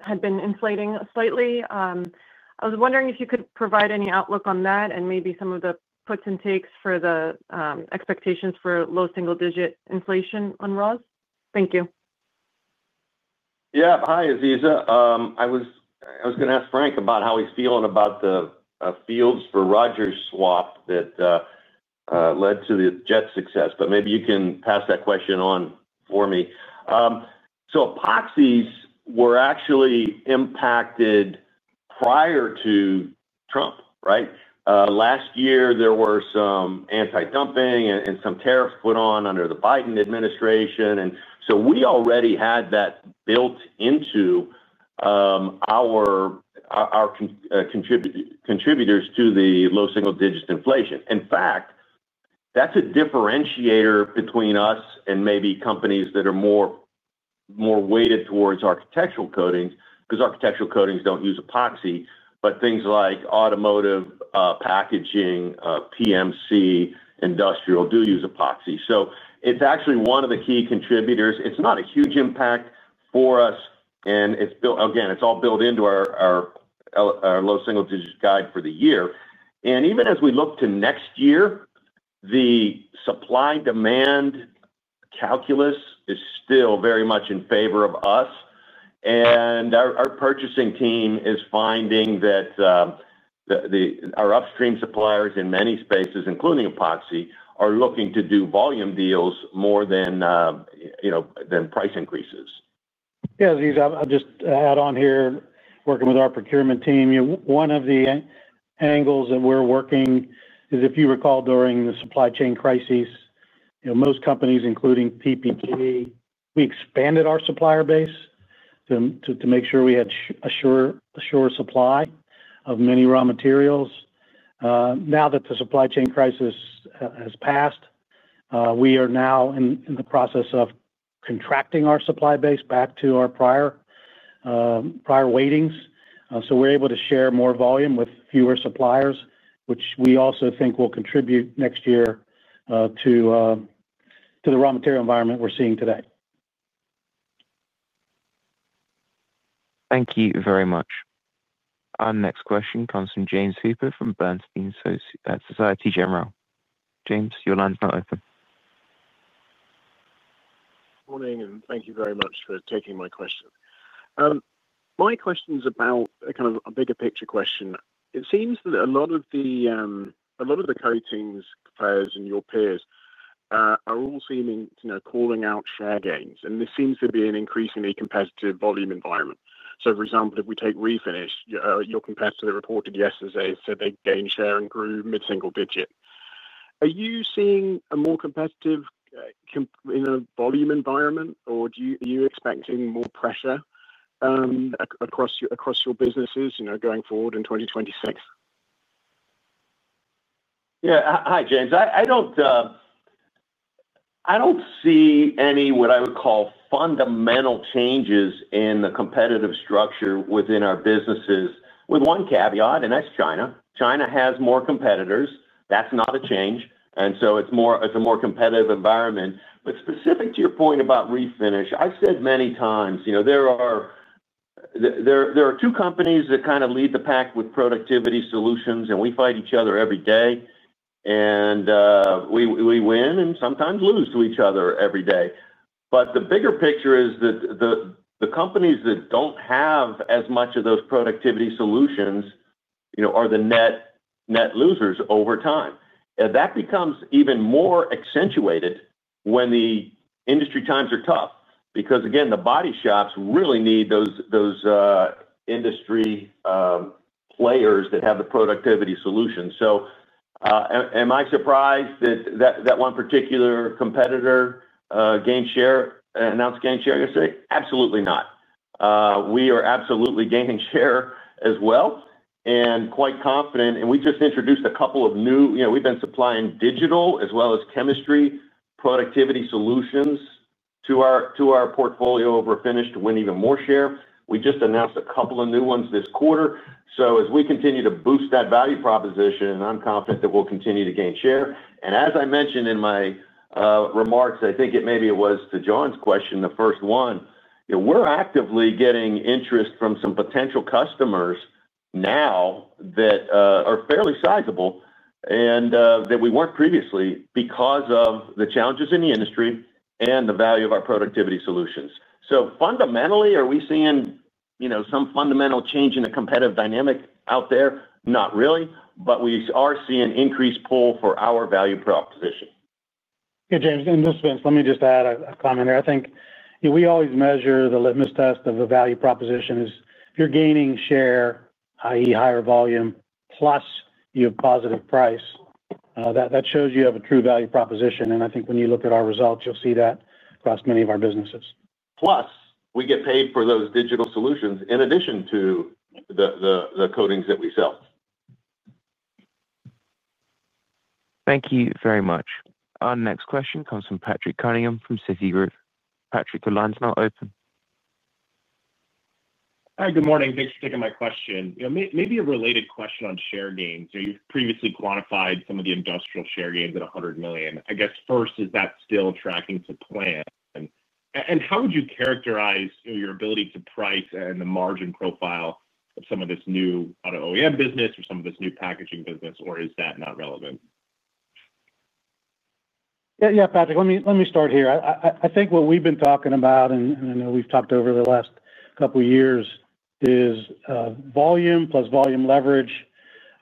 had been inflating slightly. I was wondering if you could provide any outlook on that and maybe some of the puts and takes for the expectations for low single digit inflation on raws. Thank you. Yeah. Hi Aziza. I was going to ask Frank about how he's feeling about the fields for Roger Swap that led to the jet success. Maybe you can pass that question on for me. Epoxies were actually impacted prior to Trump. Last year there were some anti-dumping and some tariffs put on under the Biden administration. We already had that built into our contributors to the low single digits inflation. In fact, that's a differentiator between us and maybe companies that are more weighted towards architectural coatings because architectural coatings don't use epoxy. Things like automotive, packaging, PMC, industrial do use epoxy. It's actually one of the key contributors. It's not a huge impact for us. It's all built into our low single digit guide for the year. Even as we look to next year, the supply demand calculus is still very much in favor of us. Our purchasing team is finding that our upstream suppliers in many spaces, including epoxy, are looking to do volume deals more than price increases. Yeah, I'll just add on here, working with our procurement team. One of the angles that we're working is if you recall during the supply chain crisis, most companies, including PPG, we expanded our supplier base to make sure we had sure supply of many raw materials. Now that the supply chain crisis has passed, we are now in the process of contracting our supply base back to our prior weightings, so we're able to share more volume with fewer suppliers, which we also think will contribute next year to the raw material environment we're seeing today. Thank you very much. Our next question comes from James Hooper from Bernstein Société Générale. James, your line is now open. Morning and thank you very much for taking my question. My question's about kind of a bigger picture question. It seems that a lot of the coatings players and your peers are all seeming calling out share gains and this seems to be an increasingly competitive volume environment. For example, if we take refinish, your competitor reported yesterday, they gained share and grew mid single digit. Are you seeing a more competitive volume environment or are you expecting more pressure across your businesses going forward in 2026? Yeah. Hi James. I don't see any what I would call fundamental changes in the competitive structure within our businesses with one caveat, and that's China. China has more competitors. That's not a change, and it's a more competitive environment. Specific to your point about refinish, I've said many times, there are two companies that kind of lead the pack with productivity solutions and we fight each other every day and we win and sometimes lose to each other every day. The bigger picture is that the companies that don't have as much of those productivity solutions are the net losers over time. That becomes even more accentuated when the industry times are tough because the body shops really need those industry players that have the productivity solutions. Am I surprised that that one particular competitor gained share, announced gain share yesterday? Absolutely not. We are absolutely gaining share as well and quite confident. We just introduced a couple of new, you know, we've been supplying digital as well as chemistry productivity solutions to our portfolio of refinish to win even more share. We just announced a couple of new ones this quarter. As we continue to boost that value proposition, I'm confident that we'll continue to gain share. As I mentioned in my remarks, I think it maybe it was to John's question, the first one. We're actively getting interest from some potential customers now that are fairly sizable and that we weren't previously because of the challenges in the industry and the value of our productivity solutions. Fundamentally, are we seeing some fundamental change in the competitive dynamic out there? Not really, but we are seeing increased pull for our value proposition. James, this is Vince. Let me just add a comment here. I think we always measure the litmus test of the value proposition as you're gaining share, that is higher volume plus you have positive price. That shows you have a true value proposition. I think when you look at our results, you'll see that across many of our businesses. Plus we get paid for those digital solutions in addition to the coatings that we sell. Thank you very much. Our next question comes from Patrick Cunningham from Citigroup. Patrick, the line's now open. Hi, good morning. Thanks for taking my question. Maybe a related question on share gains. You've previously quantified some of the industrial share gains at $100 million. Is that still tracking to plan? How would you characterize your ability to price and the margin profile of some of this new automotive OEM business or some of this new packaging business, or is that not relevant? Patrick, let me start here. I think what we've been talking about, and I know we've talked over the last couple years, is volume plus volume leverage.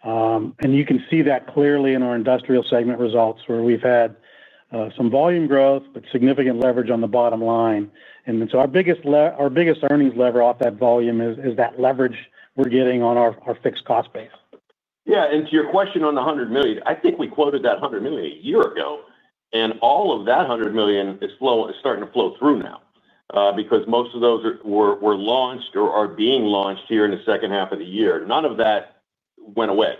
You can see that clearly in our industrial segment results where we've had some volume growth but significant leverage on the bottom line. Our biggest earnings lever off that volume is that leverage we're getting on our fixed cost base. Yeah. To your question on the $100 million, I think we quoted that $100 million a year ago and all of that $100 million is starting to flow through now because most of those were launched or are being launched here in the second half of the year. None of that went away.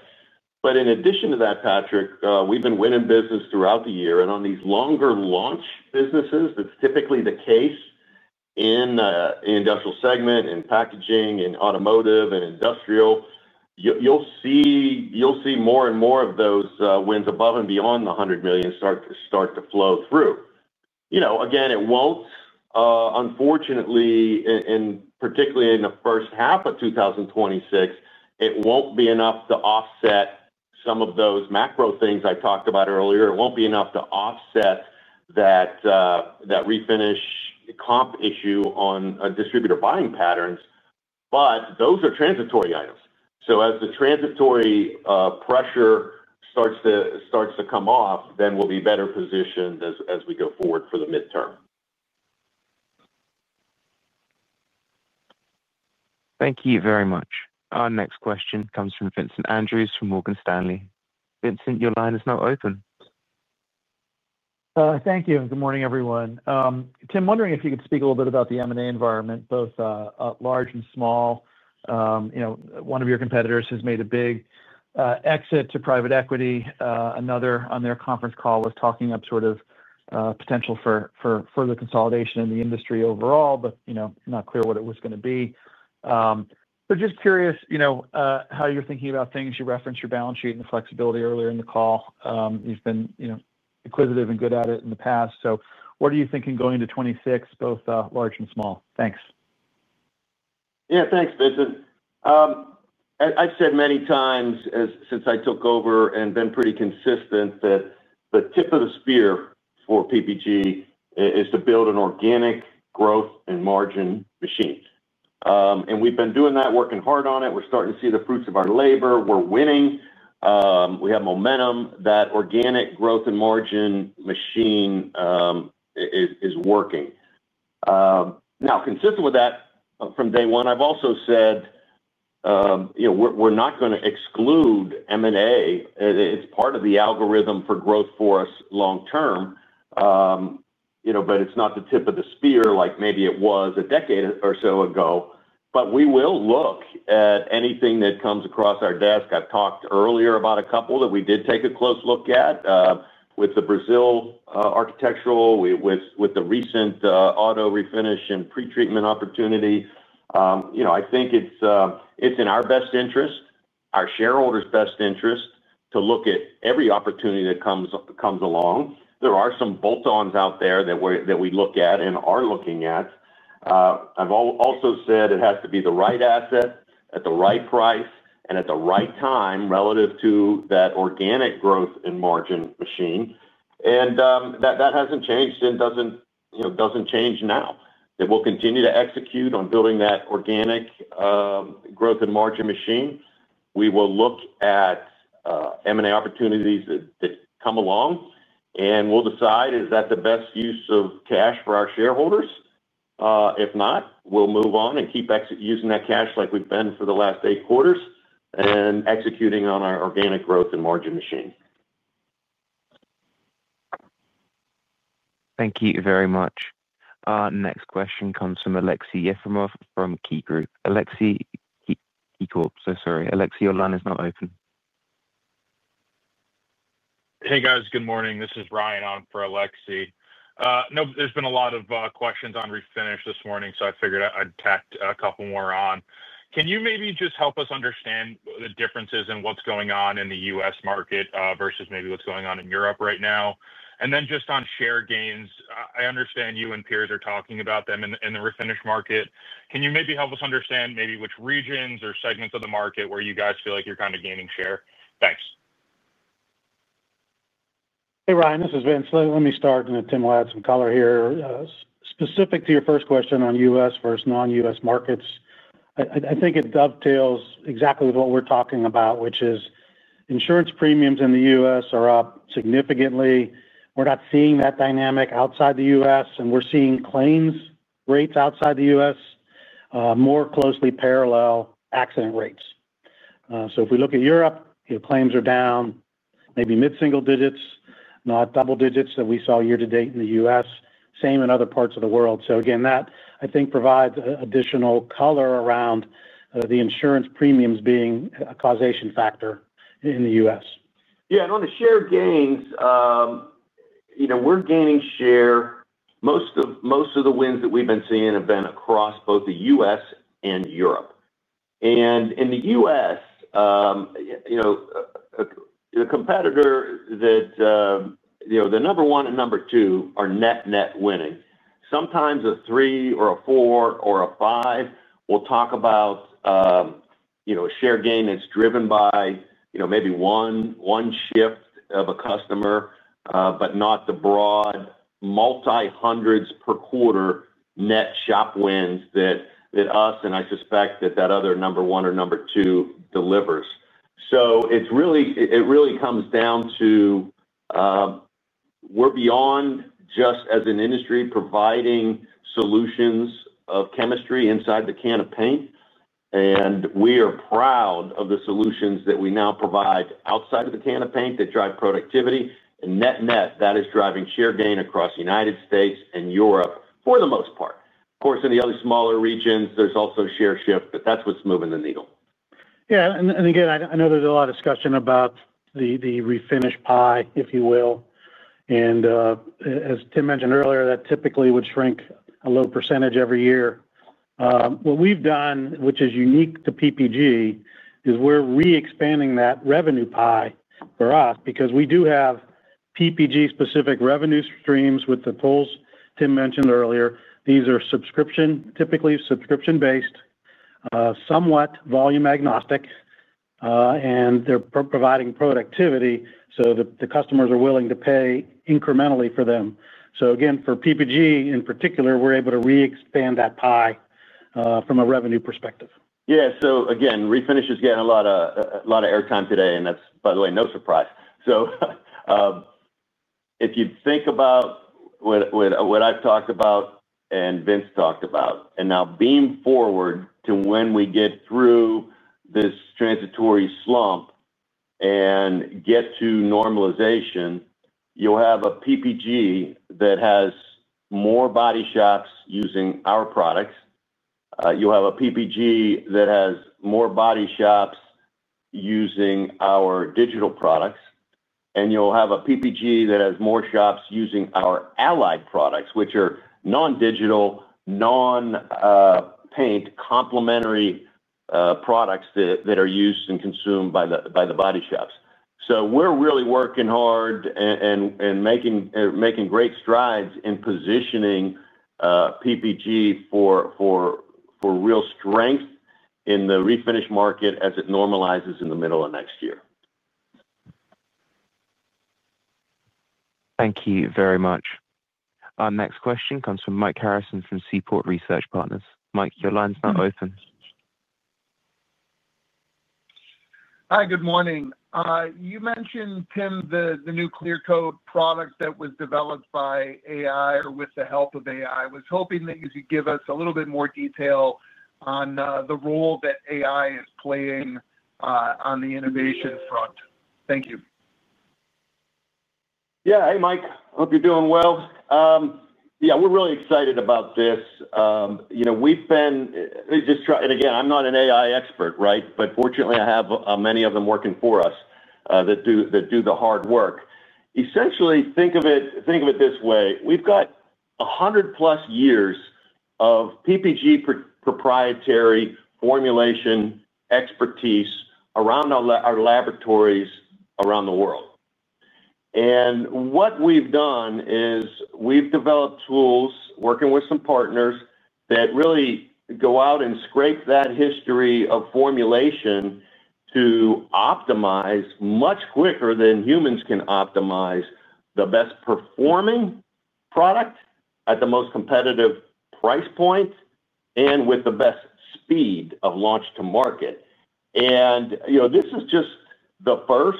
In addition to that, Patrick, we've been winning business throughout the year and on these longer launch businesses that still typically the case in industrial segment and packaging and automotive and industrial. You'll see more and more of those wins above and beyond the $100 million start to flow through. Again, it won't, unfortunately, and particularly in the first half of 2026, it won't be enough to offset some of those macro things I talked about earlier. It won't be enough to offset that refinish comp issue on distributor buying patterns. Those are transitory items. As the transitory pressure starts to come off, then we'll be better positioned as we go forward for the midterm. Thank you very much. Our next question comes from Vincent Andrews from Morgan Stanley. Vincent, your line is now open. Thank you and good morning everyone. Tim, wondering if you could speak a. Little bit about the M&A. Environment, both large and small. One of your competitors has made a big exit to private equity. Another on their conference call was talking up sort of potential for further consolidation in the industry overall. It's not clear what it. Was going to be. I'm just curious, you know, how you're thinking about things. You referenced your balance sheet and flexibility. Earlier in the call. You've been, you know, acquisitive and good at it in the past. What are you thinking going to. 26, both large and small. Thanks. Yeah, thanks, Vince. I've said many times since I took over and been pretty consistent that the tip of the spear for PPG Industries is to build an organic growth and margin machine. We've been doing that, working hard on it. We're starting to see the fruits of our labor. We're winning, we have momentum. That organic growth and margin machine is working now. Consistent with that from day one, I've also said, you know, we're not going to exclude M&A. It's part of the algorithm for growth for us long term, you know, but it's not the tip of the spear like maybe it was a decade or so ago. We will look at anything that comes across our desk. I talked earlier about a couple that we did take a close look at with the Brazil architectural, with the recent auto refinish and pretreatment opportunity. I think it's in our best interest, our shareholders' best interest to look at every opportunity that comes along. There are some bolt-ons out there that we look at and are looking at. I've also said it has to be the right asset at the right price and at the right time relative to that organic growth and margin machine. That hasn't changed and doesn't change now. We will continue to execute on building that organic growth and margin machine. We will look at M&A opportunities that come along and we'll decide is that the best use of cash for our shareholders. If not, we'll move on and keep using that cash like we've been for the last eight quarters and executing on our organic growth and margin machine. Thank you very much. Next question comes from Alexey Yefimov from KeyCorp. Alexey, so sorry Alexey, your line is not open. Hey guys, good morning, this is Ryan on for Alex Lopez. There's been a lot of questions on refinish this morning, so I figured I'd tack a couple more on. Can you maybe just help us understand the differences in what's going on in the U.S. market versus maybe what's going on in Europe right now? Just on share gains, I understand you and peers are talking about them in the refinish market. Can you maybe help us understand maybe which or segments of the market where you guys feel like you're kind of gaining share? Thanks. Hey Ryan, this is Vince. Let me start and Tim will add some color here specific to your first question on U.S. versus non-U.S. markets. I think it dovetails exactly what we're talking about, which is insurance premiums in the U.S. are up significantly. We're not seeing that dynamic outside the U.S., and we're seeing claims rates outside the U.S. more closely parallel accident rates. If we look at Europe, claims are down maybe mid single digits, not double digits that we saw year to date in the U.S., same in other parts of the world. I think that provides additional color around the insurance premiums being a causation factor in the U.S., yeah. On the share gains, we're gaining share. Most of the wins that we've been seeing have been across both the U.S. and Europe. In the U.S., the competitor that, you know, the number one and number two are net net winning. Sometimes a three or a four or a five will talk about share gain that's driven by maybe one shift of a customer but not the broad multi hundreds per quarter net shop wins that U.S. and I suspect that that other number one or number two delivers. It really comes down. To. We're beyond just as an industry providing solutions of chemistry inside the can of paint, and we are proud of the solutions that we now provide outside of the can of paint that drive productivity. Net net, that is driving share gain across the United States and Europe for the most part. Of course, in the other smaller regions there's also share shift, but that's what's moving the needle. Yeah. I know there's a lot of discussion about the refinish pie, if you will. As Tim mentioned earlier, that typically would shrink a low % every year. What we've done, which is unique to PPG, is we're re-expanding that revenue pie for us because we do have PPG-specific revenue streams with the pulls Tim mentioned earlier. These are typically subscription-based, somewhat volume agnostic, and they're providing productivity so the customers are willing to pay incrementally for them. For PPG in particular, we're able to re-expand that pie from a revenue perspective. Yeah. Refinish is getting a lot of airtime today and that's by the way, no surprise. If you think about what I've talked about and Vince talked about and now beam forward to when we get through this transitory slump and get to normalization, you'll have a PPG that has more body shops using our products. You have a PPG that has more body shops using our digital products and you'll have a PPG that has more shops using our allied products, which are non-digital, non-paint, complementary products that are used and consumed by the body shops. We're really working hard and making great strides in positioning PPG for real strength in the refinish market as it normalizes in the middle of next year. Thank you very much. Our next question comes from Mike Harrison from Seaport Research Partners. Mike, your line's not open. Hi, good morning. You mentioned, Tim, the new clear coat product that was developed by AI or with the help of AI. I was hoping that you could give us a little bit more detail on the role that AI is playing on the innovation front. Thank you. Yeah. Hey Mike, hope you're doing well. Yeah, we're really excited about this. We've been just trying. Again, I'm not an AI expert, right. Fortunately, I have many of them working for us that do the hard work essentially. Think of it this way. We've got 100+ years of PPG proprietary formulation expertise around our laboratories around the world. What we've done is we've developed tools, working with some partners that really go out and scrape that history of formulation to optimize much quicker than humans can, optimize the best performing product at the most competitive price point and with the best speed of launch to market. This is just the first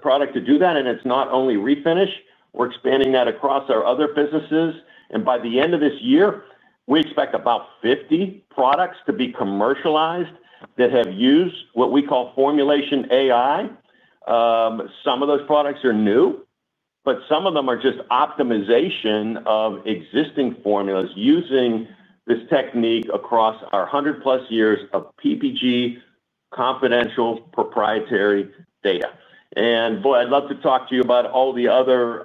product to do that. It's not only refinish, we're expanding that across our other businesses. By the end of this year, we expect about 50 products to be commercialized that have used what we call formulation AI. Some of those products are new, but some of them are just optimization of existing formulas using this technique across our 100+ years of PPG confidential proprietary data. I'd love to talk to you about all the other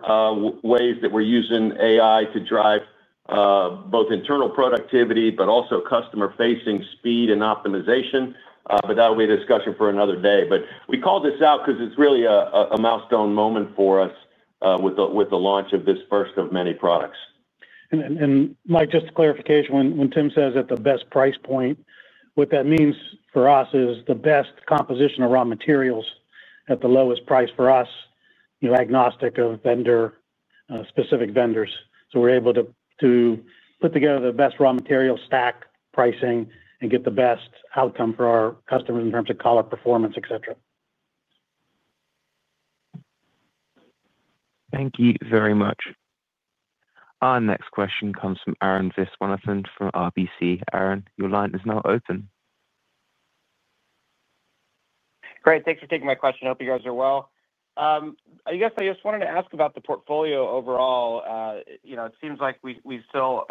ways that we're using AI to drive both internal productivity but also customer-facing speed and optimization. That will be a discussion for another day. We call this out because it's really a milestone moment for us with the launch of this first of many products. Mike, just a clarification. When Tim says at the best price point, what that means for us is the best composition of raw materials at the lowest price for us, agnostic of specific vendors. We are able to put together the best raw material stack pricing and get the best outcome for our customers in terms of color, performance, etc. Thank you very much. Our next question comes from Arun Viswanathan from RBC. Arun, your line is now open. Great. Thanks for taking my question. Hope you guys are well. I just wanted to ask. About the portfolio overall. It seems like we still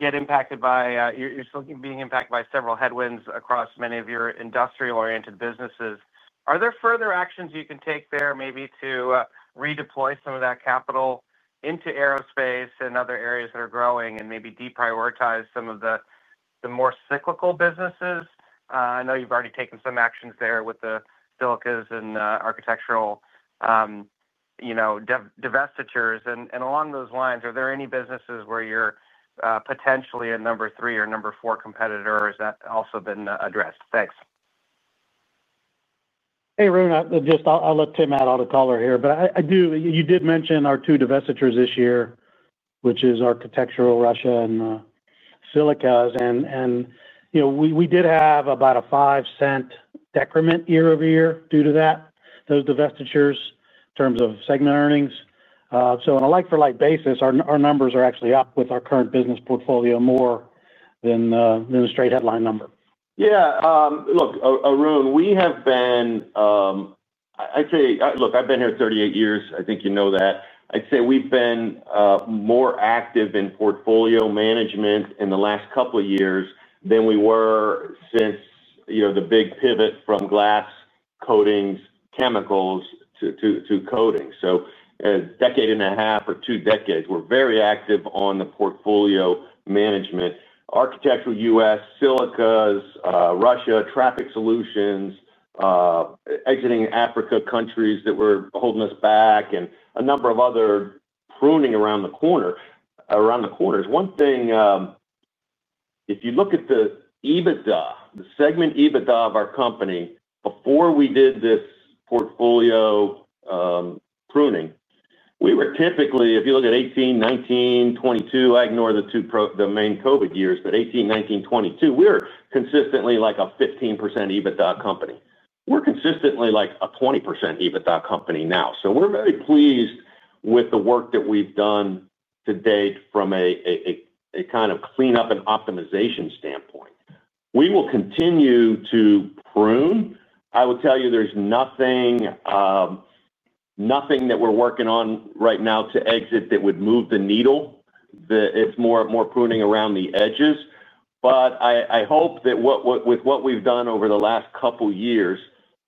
get impacted by, you're still being impacted by several headwinds across many of your industrial oriented businesses. Are there further actions you can take there maybe to redeploy some of that capital into aerospace and other areas that are growing and maybe deprioritize some of the more cyclical businesses? I know you've already taken some actions there with the silicas and architectural divestitures. Along those lines, are there any businesses where you're potentially a number three or number four competitor or has that also been addressed? Thanks. Hey Arun, I'll let Tim out on a caller here, but you did mention our two divestitures this year, which is Architectural, Russia, and Silicas. You know we did have about a $0.05 decrement year over year due to those divestitures in terms of segment earnings. On a like-for-like basis, our numbers are actually up with our current business portfolio more than the straight headline number. Yeah, look Arun, we have been, I'd say, look I've been here 38 years. I think you know that. I'd say we've been more active in portfolio management in the last couple of years than we were since, you know, the big pivot from glass coatings, chemicals to coatings. So a decade and a half or two decades. We're very active on the portfolio management. Architectural, U.S. Silicas, Russia, traffic solutions, exiting Africa, countries that were holding us back, and a number of other pruning around the corner. One thing, if you look at the EBITDA, the segment EBITDA of our company before we did this portfolio pruning, we were typically, if you look at 2018, 2019, 2022, I ignore the two main Covid years, but 2018, 2019, 2022, we're consistently like a 15% EBITDA company. We're consistently like a 20% EBITDA company now. We're very pleased with the work that we've done to date from a kind of cleanup and optimization standpoint. We will continue to prune. I will tell you, there's nothing. Nothing. that we're working on right now to exit that would move the needle. It's more pruning around the edges. I hope that with what we've done over the last couple years,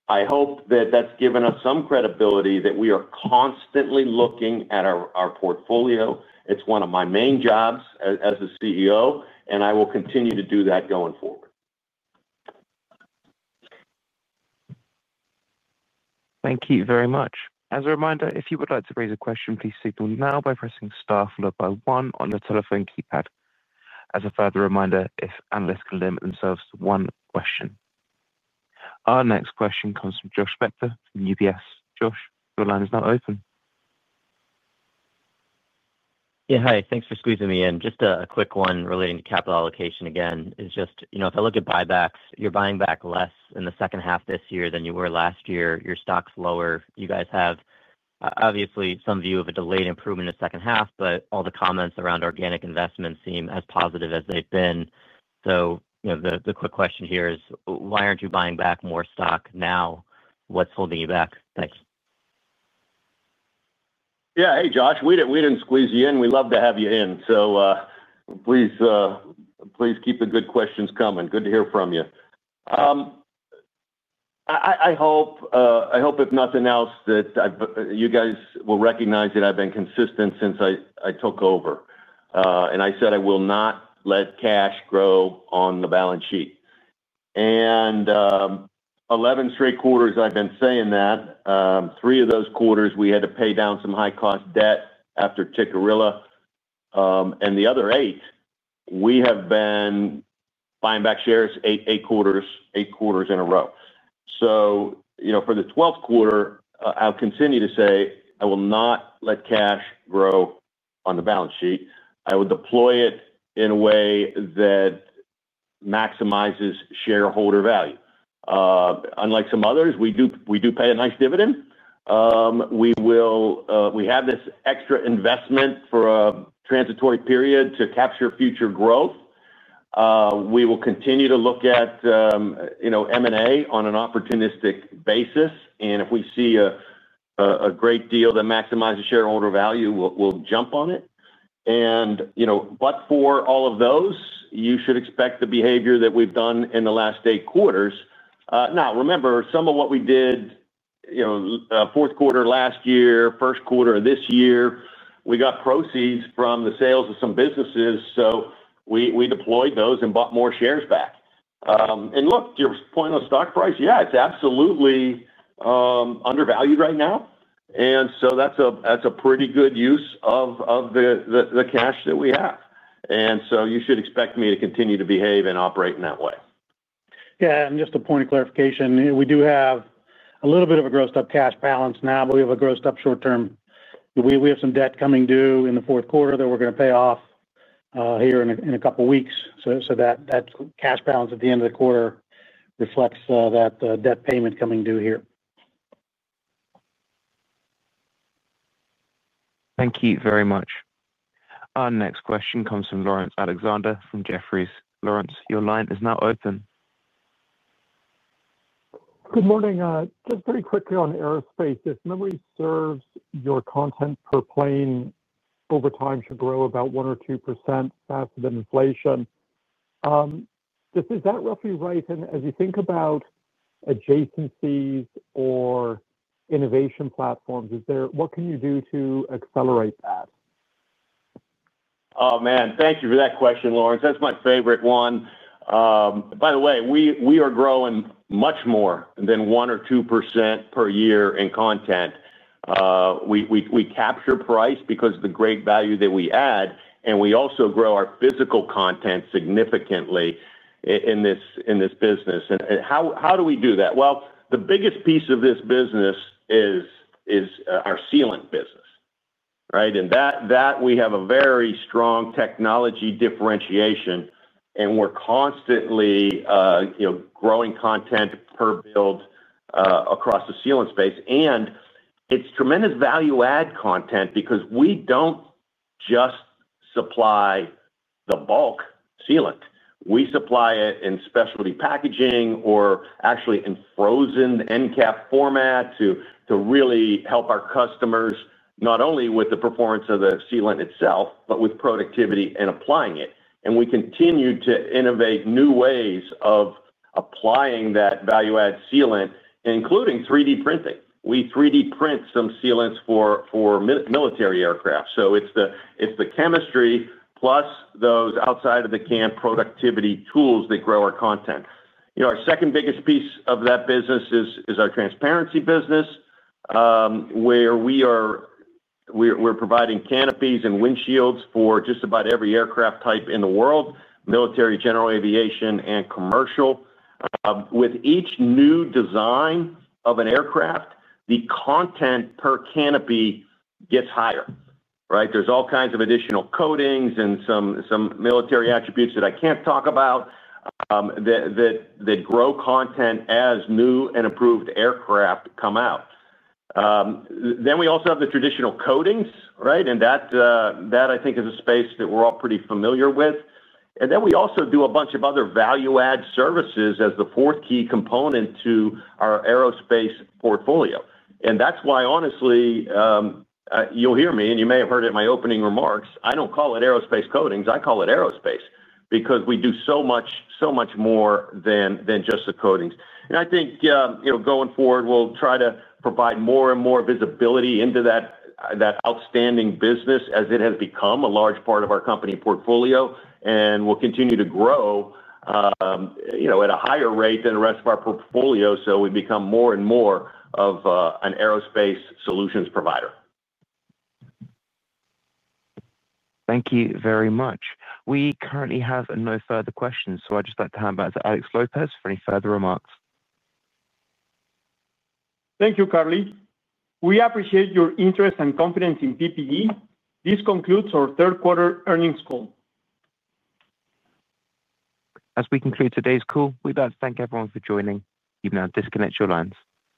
I hope that that's given us some credibility, that we are constantly looking at our portfolio. It's one of my main jobs as CEO, and I will continue to do that going forward. Thank you very much. As a reminder, if you would like to raise a question, please signal now by pressing star followed by one on the telephone keypad. As a further reminder, if analysts can limit themselves to one question, our next question comes from Josh Spector from UBS. Josh, your line is now open. Yeah, hi, thanks for squeezing me in. Just a quick one relating to capital allocation again, if I look at buybacks, you're buying back less in the second half this year than you were last year. Your stock's lower. You guys have obviously some view of a delayed improvement in the second half, but all the comments around organic investments seem as positive as they've been. The quick question here is why aren't you buying back more stock now? What's holding you back? Thanks. Yeah. Hey Josh, we didn't squeeze you in. We love to have you in, so please, please keep the good questions coming. Good to hear from you. I hope if nothing else that you guys will recognize that I've been consistent since I took over and I said I will not let cash grow on the balance sheet and 11 straight quarters. I've been saying that. Three of those quarters we had to pay down some high cost debt after Tikkurila and the other eight, we have been buying back shares eight quarters in a row. For the 12th quarter, I'll continue to say I will not let cash grow on the balance sheet. I will deploy it in a way that maximizes shareholder value. Unlike some others, we do pay a nice dividend. We have this extra investment for a transitory period to capture future growth. We will continue to look at M&A on an opportunistic basis. If we see a great deal that maximizes shareholder value, we'll jump on it. For all of those, you should expect the behavior that we've done in the last eight quarters. Remember some of what we did fourth quarter last year, first quarter of this year, we got proceeds from the sales of some businesses. We deployed those and bought more shares back. Your point on stock price, yeah, it's absolutely undervalued right now. That's a pretty good use of the cash that we have. You should expect me to continue to behave and operate in that way. Yeah, just a point of clarification, we do have a little bit of a grossed up cash balance now, but we have a grossed up short term. We have some debt coming due in the fourth quarter that we're going to pay off here in a couple weeks. That cash balance at the end of the quarter reflects that debt payment coming due here. Thank you very much. Our next question comes from Laurence Alexander from Jefferies. Laurence, your line is now open. Good morning. Just very quickly, on aerospace, if memory serves, your content per plane over time should grow about 1 or 2% faster than inflation. Is that roughly right? As you think about adjacencies or. Innovation platforms is there. What can you do to accelerate that? Thank you for that question, Lawrence. That's my favorite one, by the way. We are growing much more than 1 or 2% per year in content. We capture price because of the great value that we add, and we also grow our physical content significantly in this business. The biggest piece of this business is our sealant business. We have a very strong technology differentiation, and we're constantly growing content per build across the sealant space. It's tremendous value add content because we don't just supply the bulk sealant, we supply it in specialty packaging or actually in frozen end cap format to really help our customers not only with the performance of the sealant itself, but with productivity and applying it. We continue to innovate new ways of applying that value add sealant, including 3D printing. We 3D print some sealants for military aircraft. It's the chemistry plus those outside of the can productivity tools that grow our content. Our second biggest piece of that business is our transparency business, where we're providing canopies and windshields for just about every aircraft type in the world, military, general aviation, and commercial. With each new design of an aircraft, the content per canopy gets higher. There are all kinds of additional coatings and some military attributes that I can't talk about that grow content as new and improved aircraft come out. We also have the traditional coatings, and that I think is a space that we're all pretty familiar with. We also do a bunch of other value add services as the fourth key component to our aerospace portfolio. That's why, honestly, you'll hear me, and you may have heard it in my opening remarks, I don't call it aerospace coatings. I call it aerospace because we do so much more than just the coatings. I think going forward, we'll try to provide more and more visibility into that outstanding business as it has become a large part of our company portfolio, and we'll continue to grow at a higher rate than the rest of our portfolio so we become more and more of an aerospace solutions provider. Thank you very much. We currently have no further questions, so I'd just like to hand back to Alex Lopez for any further remarks. Thank you, Carly. We appreciate your interest and confidence in PPG. This concludes our third quarter earnings call. As we conclude today's call, we'd like to thank everyone for joining. You may now disconnect your lines.